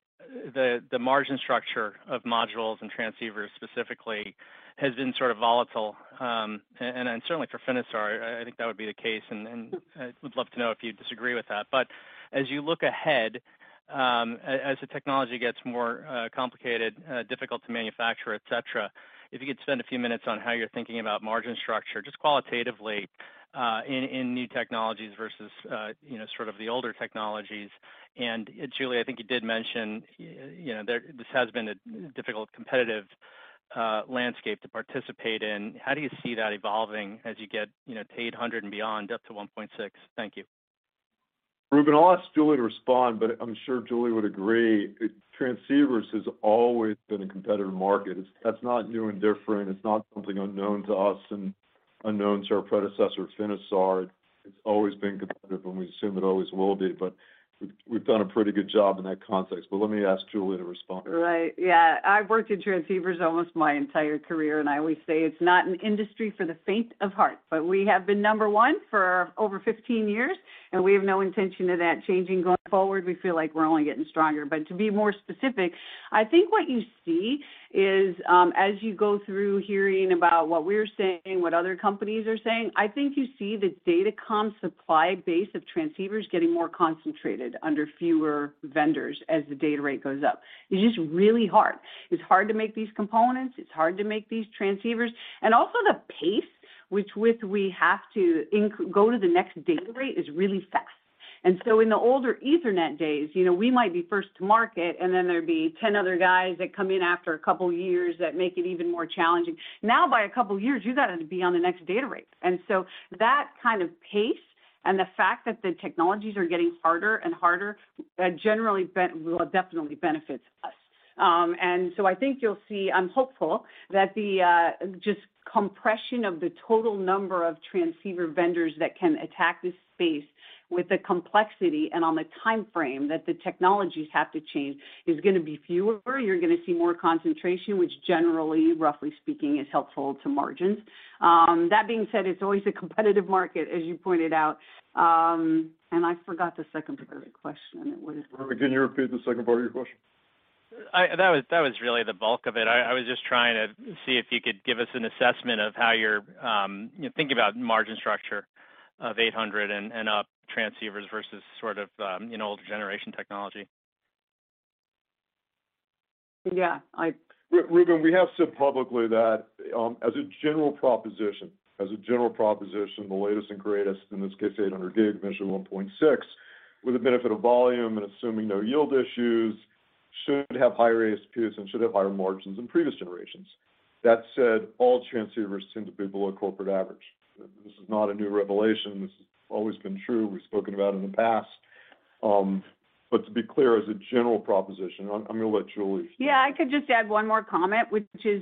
the margin structure of modules and transceivers specifically has been sort of volatile. And certainly for Finisar, I think that would be the case, and I would love to know if you disagree with that. But as you look ahead, as the technology gets more complicated, difficult to manufacture, et cetera, if you could spend a few minutes on how you're thinking about margin structure, just qualitatively, in new technologies versus, you know, sort of the older technologies. And Julie, I think you did mention, you know, there—this has been a difficult competitive landscape to participate in. How do you see that evolving as you get, you know, to 800 and beyond, up to 1.6? Thank you. Ruben, I'll ask Julie to respond, but I'm sure Julie would agree, transceivers has always been a competitive market. It's. That's not new and different. It's not something unknown to us and unknown to our predecessor, Finisar. It's always been competitive, and we assume it always will be, but we've, we've done a pretty good job in that context. But let me ask Julie to respond. Right. Yeah, I've worked in transceivers almost my entire career, and I always say it's not an industry for the faint of heart. But we have been number one for over 15 years, and we have no intention of that changing going forward. We feel like we're only getting stronger. But to be more specific, I think what you see is, as you go through hearing about what we're saying, what other companies are saying, I think you see the Datacom supply base of transceivers getting more concentrated under fewer vendors as the data rate goes up. It's just really hard. It's hard to make these components, it's hard to make these transceivers, and also the pace with which we have to go to the next data rate is really fast. In the older Ethernet days, you know, we might be first to market, and then there'd be 10 other guys that come in after a couple of years that make it even more challenging. Now, by a couple of years, you got to be on the next data rate. That kind of pace and the fact that the technologies are getting harder and harder, generally, well, definitely benefits us. I think you'll see. I'm hopeful that the just compression of the total number of transceiver vendors that can attack this space with the complexity and on the time frame that the technologies have to change is going to be fewer. You're going to see more concentration, which generally, roughly speaking, is helpful to margins. That being said, it's always a competitive market, as you pointed out. I forgot the second part of the question. What is it? Ruben, can you repeat the second part of your question? That was, that was really the bulk of it. I, I was just trying to see if you could give us an assessment of how you're, you know, thinking about margin structure of 800 and up transceivers versus sort of, you know, older generation technology. Yeah, I- Ruben, we have said publicly that, as a general proposition, as a general proposition, the latest and greatest, in this case, 800-gig, measure 1.6, with the benefit of volume and assuming no yield issues, should have higher ASPs and should have higher margins than previous generations. That said, all transceivers tend to be below corporate average. This is not a new revelation. This has always been true. We've spoken about in the past. To be clear, as a general proposition, I'm going to let Julie speak. Yeah, I could just add one more comment, which is,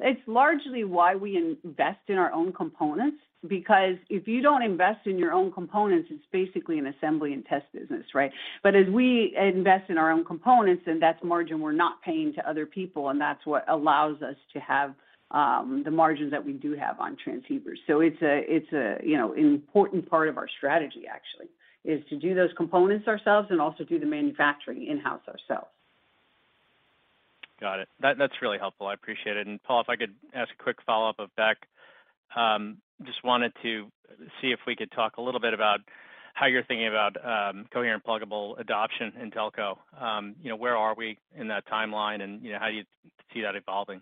it's largely why we invest in our own components, because if you don't invest in your own components, it's basically an assembly and test business, right? But as we invest in our own components, then that's margin we're not paying to other people, and that's what allows us to have the margins that we do have on transceivers. So it's a, it's a, you know, important part of our strategy, actually, is to do those components ourselves and also do the manufacturing in-house ourselves. Got it. That, that's really helpful. I appreciate it. And, Paul, if I could ask a quick follow-up of back. Just wanted to see if we could talk a little bit about how you're thinking about, coherent pluggable adoption in telco. You know, where are we in that timeline? And, you know, how do you see that evolving?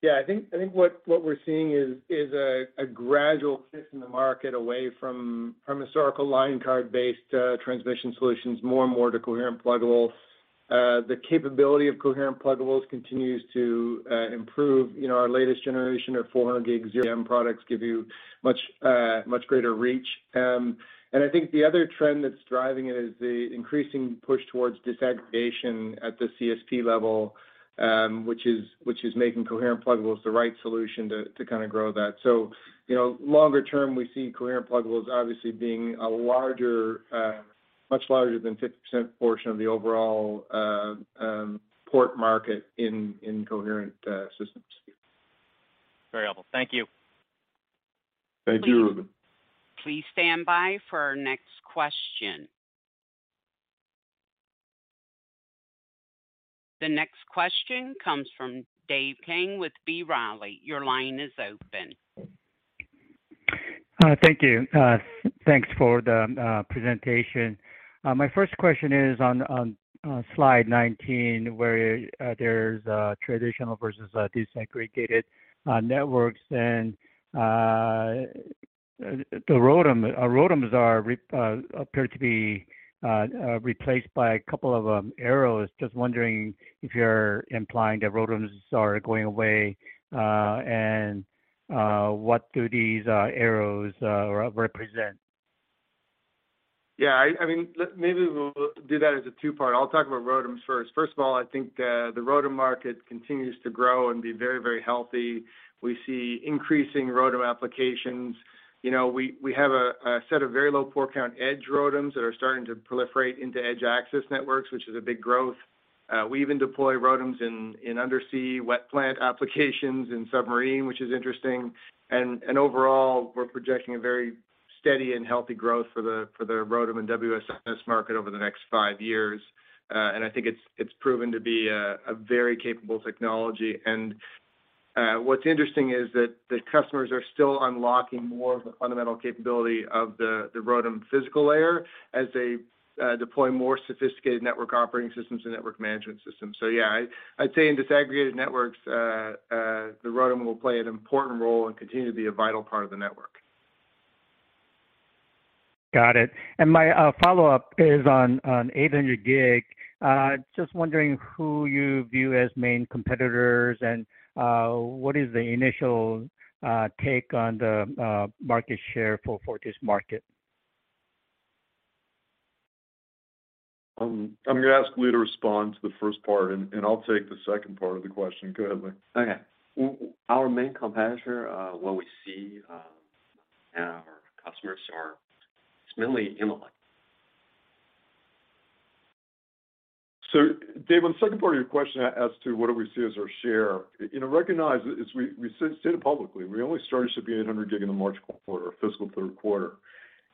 Yeah, I think what we're seeing is a gradual shift in the market away from historical line card-based transmission solutions, more and more to coherent pluggables. The capability of coherent pluggables continues to improve. You know, our latest generation of 400G ZR products give you much greater reach. And I think the other trend that's driving it is the increasing push towards disaggregation at the CSP level, which is making coherent pluggables the right solution to kind of grow that. So, you know, longer term, we see coherent pluggables obviously being a much larger than 50% portion of the overall port market in coherent systems. Very helpful. Thank you. Thank you, Ruben. Please stand by for our next question. The next question comes from Dave Kang with B. Riley. Your line is open. Thank you. Thanks for the presentation. My first question is on slide 19, where there's a traditional versus a disaggregated networks, and the ROADM. Our ROADMs appear to be replaced by a couple of arrows. Just wondering if you're implying that ROADMs are going away, and what do these arrows represent? Yeah, I mean, maybe we'll do that as a two-part. I'll talk about ROADMs first. First of all, I think the ROADM market continues to grow and be very, very healthy. We see increasing ROADM applications. You know, we have a set of very low port count edge ROADMs that are starting to proliferate into edge access networks, which is a big growth. We even deploy ROADMs in undersea wet plant applications in submarine, which is interesting. Overall, we're projecting a very steady and healthy growth for the ROADM and WSS market over the next five years. I think it's proven to be a very capable technology. What's interesting is that the customers are still unlocking more of the fundamental capability of the ROADM physical layer as they deploy more sophisticated network operating systems and network management systems. So yeah, I'd say in disaggregated networks, the ROADM will play an important role and continue to be a vital part of the network. Got it. My follow-up is on 800-gig. Just wondering who you view as main competitors and what is the initial take on the market share for this market? I'm going to ask Lee to respond to the first part, and, and I'll take the second part of the question. Go ahead, Lee. Okay. Our main competitor, what we see in our customers, are it's mainly InnoLight. So Dave, on the second part of your question as to what do we see as our share, you know, recognize as we said it publicly, we only started shipping 800-gig in the March quarter or fiscal third quarter.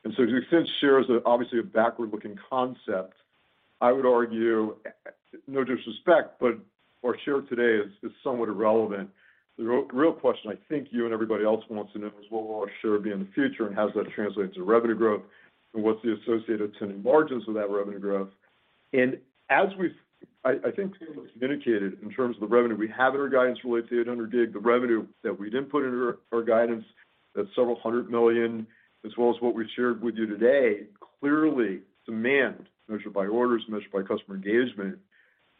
And so since share is obviously a backward-looking concept, I would argue, no disrespect, but our share today is somewhat irrelevant. The real question I think you and everybody else wants to know is, what will our share be in the future, and how does that translate to revenue growth? And what's the associated attending margins of that revenue growth? And as we've, I think we've indicated in terms of the revenue we have in our guidance related to 800-gig, the revenue that we didn't put into our guidance, that's several hundred million, as well as what we shared with you today. Clearly, demand, measured by orders, measured by customer engagement,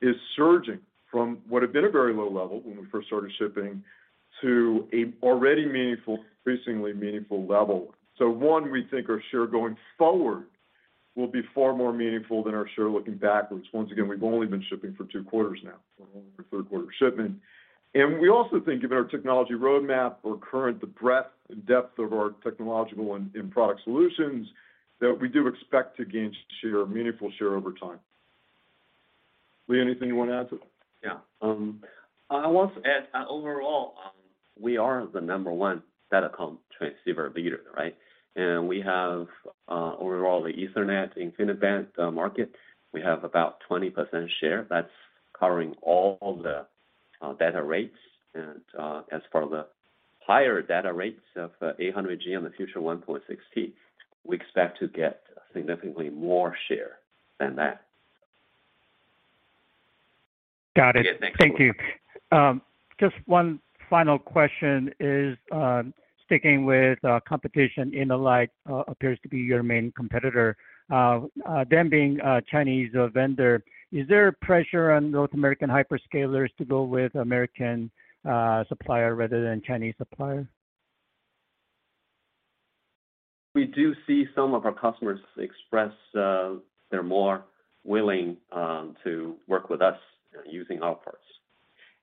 is surging from what had been a very low level when we first started shipping, to an already meaningful, increasingly meaningful level. We think our share going forward will be far more meaningful than our share looking backwards. Once again, we've only been shipping for two quarters now, for third quarter shipment. We also think given our technology roadmap, our current, the breadth and depth of our technological and product solutions, that we do expect to gain share, meaningful share over time. Lee, anything you want to add to that? Yeah. I want to add, overall, we are the number one datacom transceiver leader, right? And we have, overall, the Ethernet InfiniBand market. We have about 20% share. That's covering all the data rates. And, as for the higher data rates of 800G and the future 1.6T, we expect to get significantly more share than that. Got it. Okay, thank you. Thank you. Just one final question is, sticking with competition, InnoLight appears to be your main competitor. Them being a Chinese vendor, is there pressure on North American hyperscalers to go with American supplier rather than Chinese supplier? We do see some of our customers express they're more willing to work with us using our parts.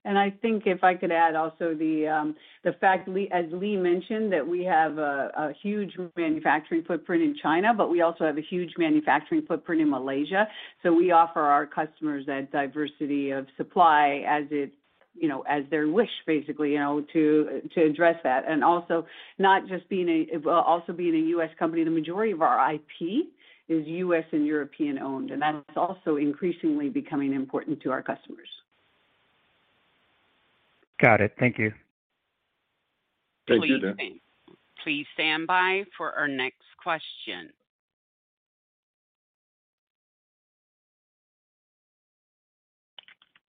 I think if I could add also the fact, Lee, as Lee mentioned, that we have a huge manufacturing footprint in China, but we also have a huge manufacturing footprint in Malaysia. So we offer our customers that diversity of supply as it, you know, as their wish, basically, you know, to address that. And also not just being a, also being a U.S. company, the majority of our IP is U.S. and European-owned, and that's also increasingly becoming important to our customers. Got it. Thank you. Thank you. Please stand by for our next question.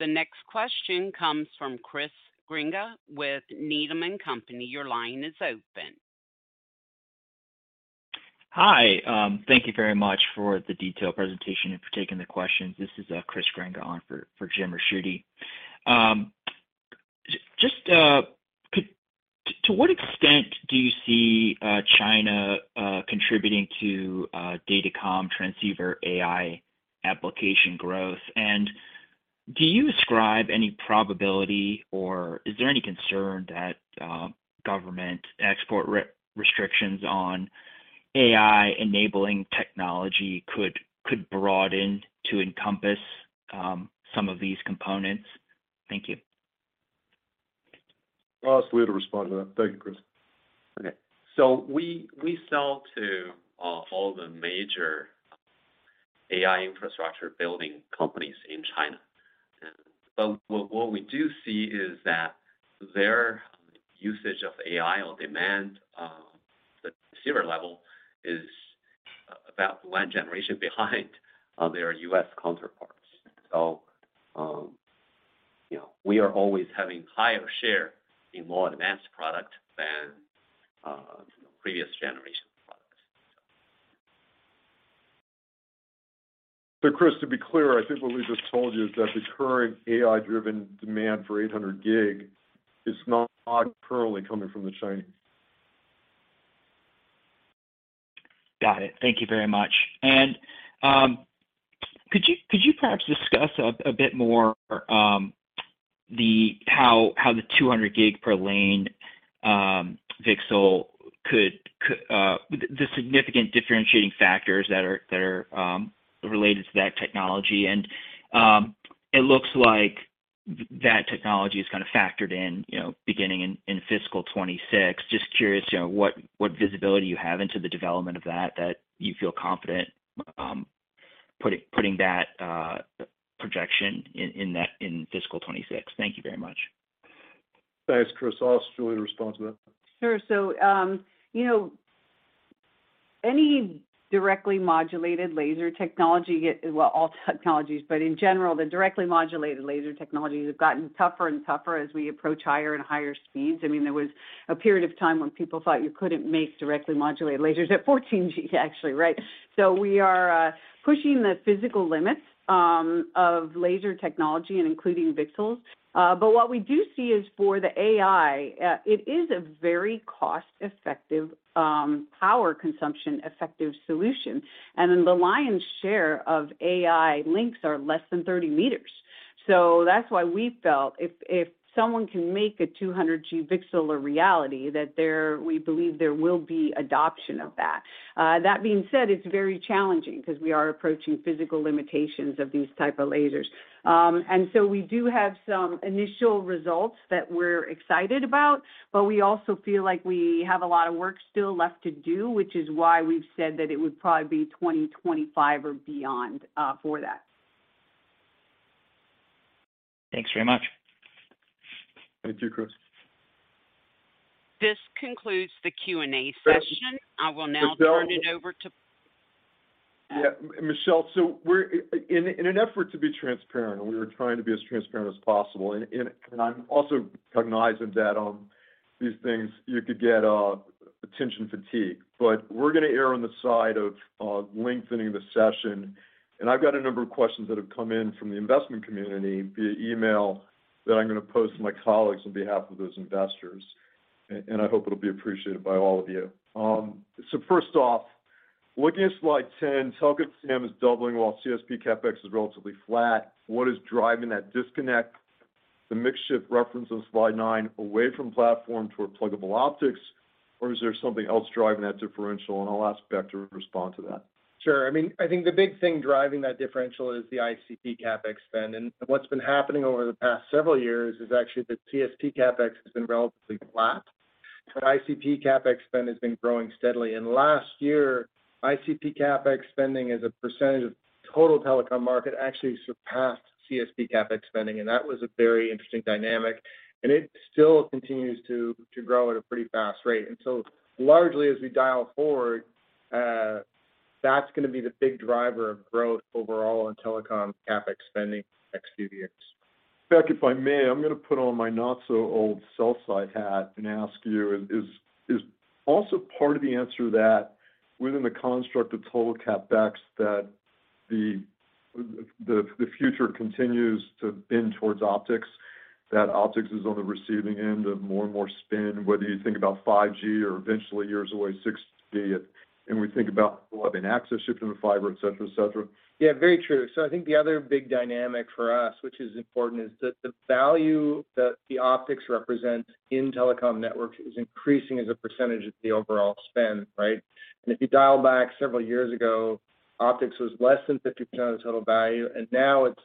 The next question comes from Chris Grenga with Needham & Company. Your line is open. Hi. Thank you very much for the detailed presentation and for taking the questions. This is Chris Grenga on for Jim Ricchiuti. Just, to what extent do you see China contributing to data comm transceiver AI application growth? And do you ascribe any probability, or is there any concern that government export restrictions on AI-enabling technology could broaden to encompass some of these components? Thank you. I'll ask Lee to respond to that. Thank you, Chris. Okay. So we sell to all the major AI infrastructure building companies in China. But what we do see is that their usage of AI or demand at the consumer level is about one generation behind their U.S. counterparts. So, you know, we are always having higher share in more advanced product than previous generation products. Chris, to be clear, I think what we just told you is that the current AI-driven demand for 800 gig is not currently coming from the Chinese. Got it. Thank you very much. And, could you perhaps discuss a bit more how the 200 gig per lane VCSEL could the significant differentiating factors that are related to that technology? And, it looks like that technology is kind of factored in, you know, beginning in fiscal 2026. Just curious, you know, what visibility you have into the development of that you feel confident putting that projection in fiscal 2026. Thank you very much. Thanks, Chris. I'll ask Julie to respond to that. Sure. So, you know, any directly modulated laser technology, well, all technologies, but in general, the directly modulated laser technologies have gotten tougher and tougher as we approach higher and higher speeds. I mean, there was a period of time when people thought you couldn't make directly modulated lasers at 14 G, actually, right? So we are pushing the physical limits of laser technology and including VCSELs. But what we do see is for the AI, it is a very cost-effective, power consumption effective solution. And then the lion's share of AI links are less than 30 meters so that's why we felt if, if someone can make a 200G VCSEL a reality, that there-- we believe there will be adoption of that. That being said, it's very challenging 'cause we are approaching physical limitations of these type of lasers. So we do have some initial results that we're excited about, but we also feel like we have a lot of work still left to do, which is why we've said that it would probably be 2025 or beyond, for that. Thanks very much. Thank you, Chris. This concludes the Q&A session. Michelle- I will now turn it over to- Yeah, Michelle, so we're in an effort to be transparent, and we were trying to be as transparent as possible, and I'm also cognizant of that on these things, you could get attention fatigue. But we're gonna err on the side of lengthening the session, and I've got a number of questions that have come in from the investment community via email, that I'm gonna pose to my colleagues on behalf of those investors, and I hope it'll be appreciated by all of you. So first off, looking at slide 10, telecom SAM is doubling while CSP CapEx is relatively flat. What is driving that disconnect? The mix shift referenced on slide 9 away from platform toward pluggable optics, or is there something else driving that differential? And I'll ask Beck to respond to that. Sure. I mean, I think the big thing driving that differential is the ICP CapEx spend. And what's been happening over the past several years is actually the CSP CapEx has been relatively flat, but ICP CapEx spend has been growing steadily. And last year, ICP CapEx spending, as a percentage of total telecom market, actually surpassed CSP CapEx spending, and that was a very interesting dynamic, and it still continues to grow at a pretty fast rate. And so, largely, as we dial forward, that's gonna be the big driver of growth overall in telecom CapEx spending next few years. Beck, if I may, I'm gonna put on my not-so-old sell side hat and ask you, is also part of the answer that within the construct of total CapEx, that the future continues to bend towards optics? That optics is on the receiving end of more and more spend, whether you think about 5G or eventually years away, 6G, and we think about having access shift in the fiber, et cetera, et cetera. Yeah, very true. So I think the other big dynamic for us, which is important, is that the value that the optics represents in telecom networks is increasing as a percentage of the overall spend, right? And if you dial back several years ago, optics was less than 50% of the total value, and now it's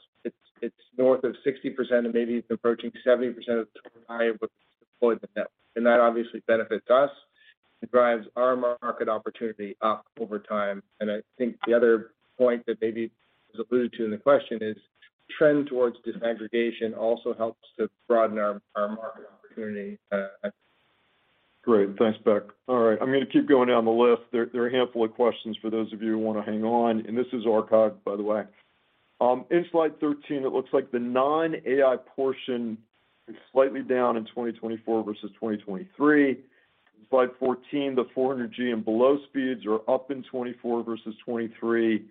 north of 60% and maybe approaching 70% of the total value deployed the net. And that obviously benefits us. It drives our market opportunity up over time. And I think the other point that maybe is alluded to in the question is, trend towards disaggregation also helps to broaden our market opportunity. Great. Thanks, Beck. All right, I'm gonna keep going down the list. There, there are a handful of questions for those of you who want to hang on, and this is archived, by the way. In slide 13, it looks like the non-AI portion is slightly down in 2024 versus 2023. Slide 14, the 400G and below speeds are up in 2024 versus 2023.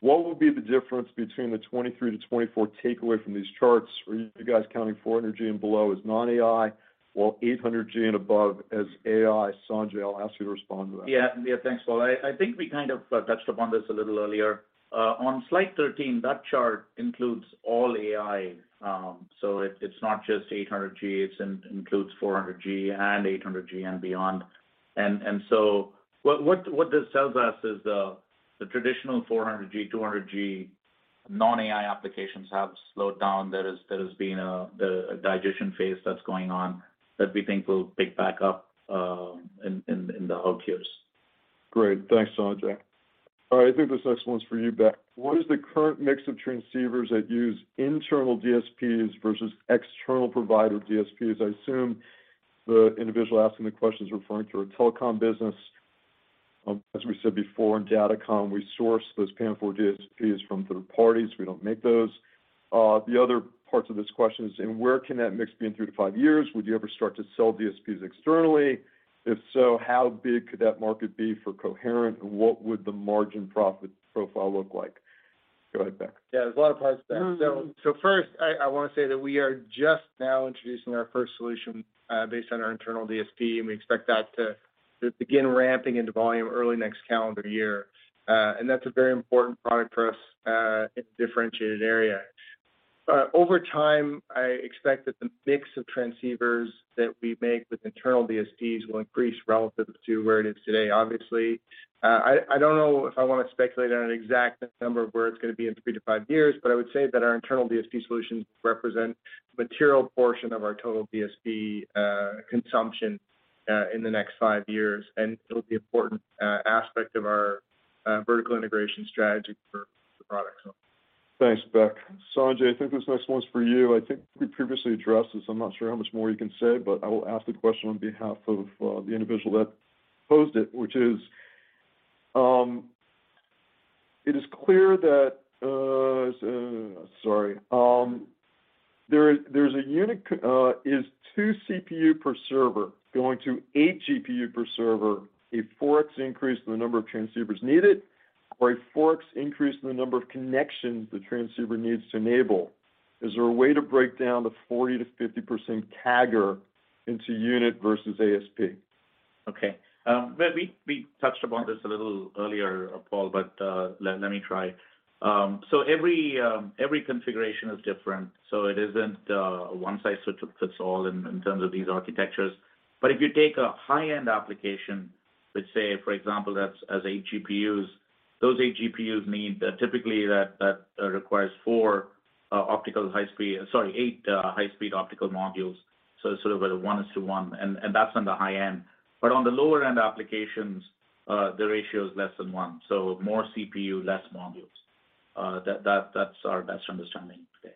What will be the difference between the 2023 to 2024 takeaway from these charts? Are you guys counting 400G and below as non-AI or 800G and above as AI? Sanjai, I'll ask you to respond to that. Yeah. Yeah, thanks, Paul. I think we kind of touched upon this a little earlier. On slide 13, that chart includes all AI. So it's not just 800G, it includes 400G and 800G and beyond. And so what this tells us is the traditional 400G, 200G non-AI applications have slowed down. There has been a digestion phase that's going on that we think will pick back up in the out years. Great. Thanks, Sanjai. All right, I think this next one's for you, Beck. What is the current mix of transceivers that use internal DSPs versus external provider DSPs? I assume the individual asking the question is referring to our telecom business. As we said before, in datacom, we source those PAM4 DSPs from third parties. We don't make those. The other parts of this question is, and where can that mix be in 3-5 years? Would you ever start to sell DSPs externally? If so, how big could that market be for Coherent, and what would the margin profit profile look like? Go ahead, Beck. Yeah, there's a lot of parts to that. Mm-hmm. First, I wanna say that we are just now introducing our first solution, based on our internal DSP, and we expect that to begin ramping into volume early next calendar year. That's a very important product for us, in a differentiated area. Over time, I expect that the mix of transceivers that we make with internal DSPs will increase relative to where it is today. Obviously, I don't know if I wanna speculate on an exact number of where it's gonna be in 3 to 5 years, but I would say that our internal DSP solutions represent a material portion of our total DSP consumption in the next 5 years, and it'll be an important aspect of our vertical integration strategy for the product. Thanks, Beck. Sanjai, I think this next one's for you. I think we previously addressed this, so I'm not sure how much more you can say, but I will ask the question on behalf of the individual that posed it, which is: It is clear that there is, there's is 2 CPU per server going to 8 GPU per server, a 4x increase in the number of transceivers needed, or a 4x increase in the number of connections the transceiver needs to enable? Is there a way to break down the 40%-50% CAGR into unit versus ASP? Okay, well, we touched upon this a little earlier, Paul, but let me try. So every configuration is different, so it isn't a one-size-fits-all in terms of these architectures. But if you take a high-end application, let's say, for example, that has 8 GPUs, those 8 GPUs need, typically that requires 4 optical high-speed—sorry, 8 high-speed optical modules, so sort of a 1-to-1, and that's on the high end. But on the lower-end applications, the ratio is less than 1, so more CPU, less modules. That's our best understanding today.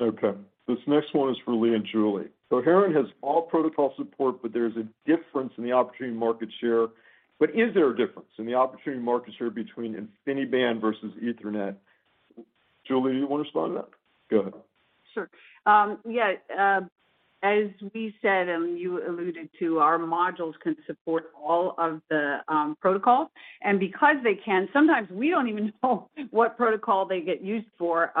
Okay. This next one is for Lee and Julie. So Coherent has all protocol support, but there's a difference in the opportunity market share. But is there a difference in the opportunity market share between InfiniBand versus Ethernet? Julie, you want to respond to that? Go ahead. Sure. Yeah, as we said, and you alluded to, our modules can support all of the protocols, and because they can, sometimes we don't even know what protocol they get used for.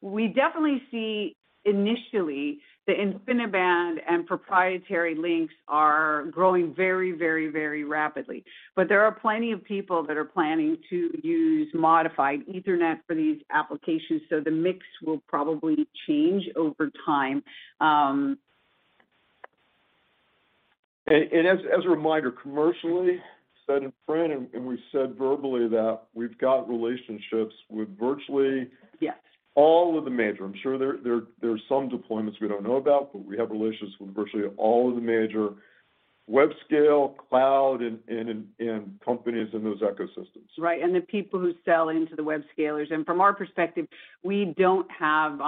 We definitely see, initially, the InfiniBand and proprietary links are growing very, very, very rapidly. But there are plenty of people that are planning to use modified Ethernet for these applications, so the mix will probably change over time. And as a reminder, commercially said in print and we've said verbally that we've got relationships with virtually- Yes All of the major. I'm sure there are some deployments we don't know about, but we have relationships with virtually all of the major web scale, cloud, and companies in those ecosystems. Right, and the people who sell into the web scalers. And from our perspective, we don't have,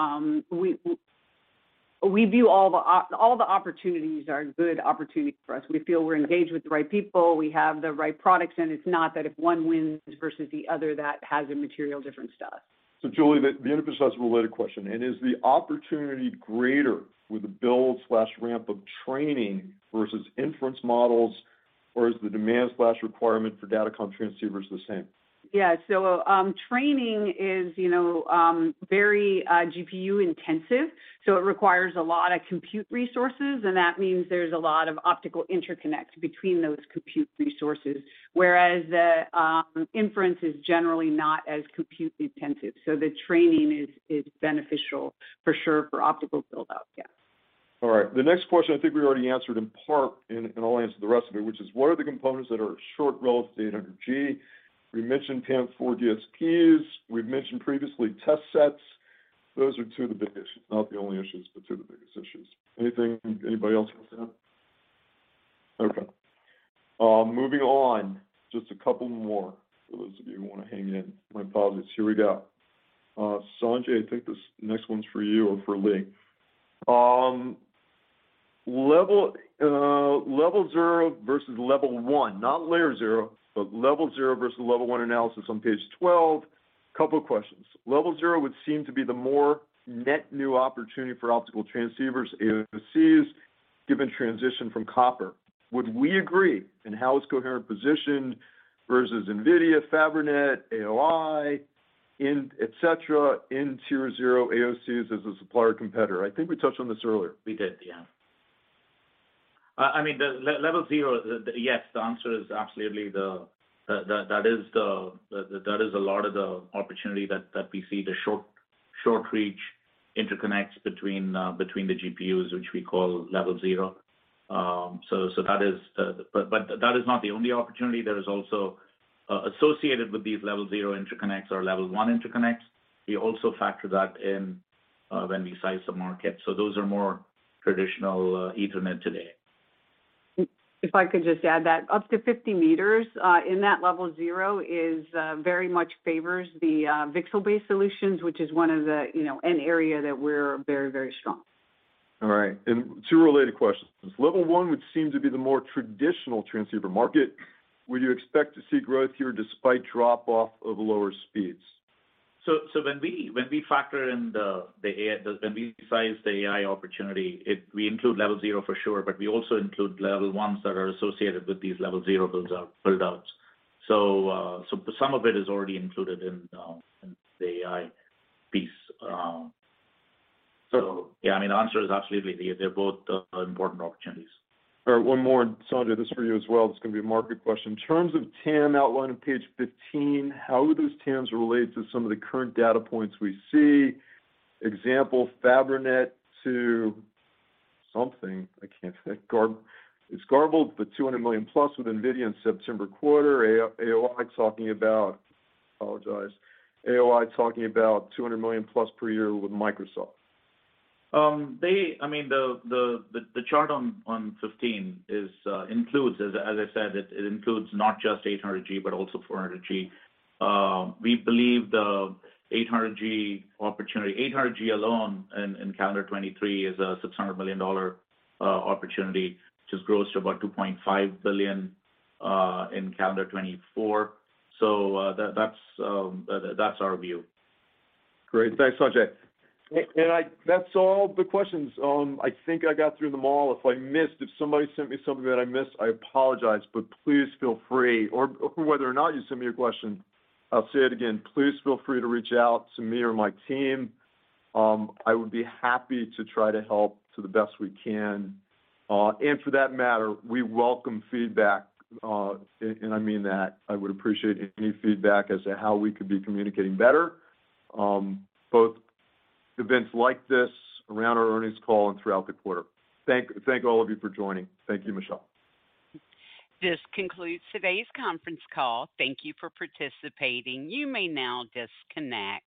we view all the opportunities are good opportunities for us. We feel we're engaged with the right people, we have the right products, and it's not that if one wins versus the other, that has a material difference to us. Julie, the emphasis has a related question: Is the opportunity greater with the build/ramp of training versus inference models, or is the demand/requirement for Datacom transceivers the same? Yeah. So, training is, you know, very GPU-intensive, so it requires a lot of compute resources, and that means there's a lot of optical interconnect between those compute resources. Whereas the inference is generally not as compute-intensive, so the training is beneficial for sure, for optical build-out. Yes. All right. The next question, I think we already answered in part, and, and I'll answer the rest of it, which is: What are the components that are short relative to 800G? We mentioned TAM for DSPs. We've mentioned previously test sets. Those are two of the big issues. Not the only issues, but two of the biggest issues. Anything anybody else wants to add? Okay. Moving on, just a couple more, for those of you who want to hang in. My apologies. Here we go. Sanjai, I think this next one's for you or for Lee. Level zero versus level one, not layer zero, but level zero versus level one analysis on page 12. Couple of questions. Level zero would seem to be the more net new opportunity for optical transceivers, AOCs, given transition from copper. Would we agree, and how is Coherent positioned versus NVIDIA, Fabrinet, AOI, et cetera, in tier zero AOCs as a supplier competitor? I think we touched on this earlier. We did, yeah. I mean, the level zero, yes, the answer is absolutely the, that is a lot of the opportunity that we see, the short reach interconnects between the GPUs, which we call level zero. So that is. But that is not the only opportunity. There is also associated with these level zero interconnects or level one interconnects. We also factor that in when we size the market. So those are more traditional Ethernet today. If I could just add that up to 50 meters in that level zero is very much favors the VCSEL-based solutions, which is one of the, you know, an area that we're very, very strong. All right, and two related questions. Level one, which seems to be the more traditional transceiver market, would you expect to see growth here despite drop off of lower speeds? So when we factor in the AI, when we size the AI opportunity, it, we include level zero for sure, but we also include level ones that are associated with these level zero buildouts. So some of it is already included in the AI piece. So yeah, I mean, the answer is absolutely, they're both important opportunities. All right, one more. Sanjai, this is for you as well. It's going to be a market question. In terms of TAM outline on page 15, how do those TAMs relate to some of the current data points we see? Example, Fabrinet to something, I can't think, it's garbled, but $200 million plus with NVIDIA in September quarter. AOI talking about I apologize. AOI talking about $200 million plus per year with Microsoft. I mean, the chart on 15 includes, as I said, it includes not just 800G, but also 400G. We believe the 800G opportunity, 800G alone in calendar 2023 is a $600 million opportunity, which is gross to about $2.5 billion in calendar 2024. So, that's our view. Great. Thanks, Sanjai. And that's all the questions. I think I got through them all. If I missed, if somebody sent me something that I missed, I apologize, but please feel free, or whether or not you send me a question, I'll say it again, please feel free to reach out to me or my team. I would be happy to try to help to the best we can. And for that matter, we welcome feedback. And I mean that. I would appreciate any feedback as to how we could be communicating better, both events like this, around our earnings call, and throughout the quarter. Thank all of you for joining. Thank you, Michelle. This concludes today's conference call. Thank you for participating. You may now disconnect.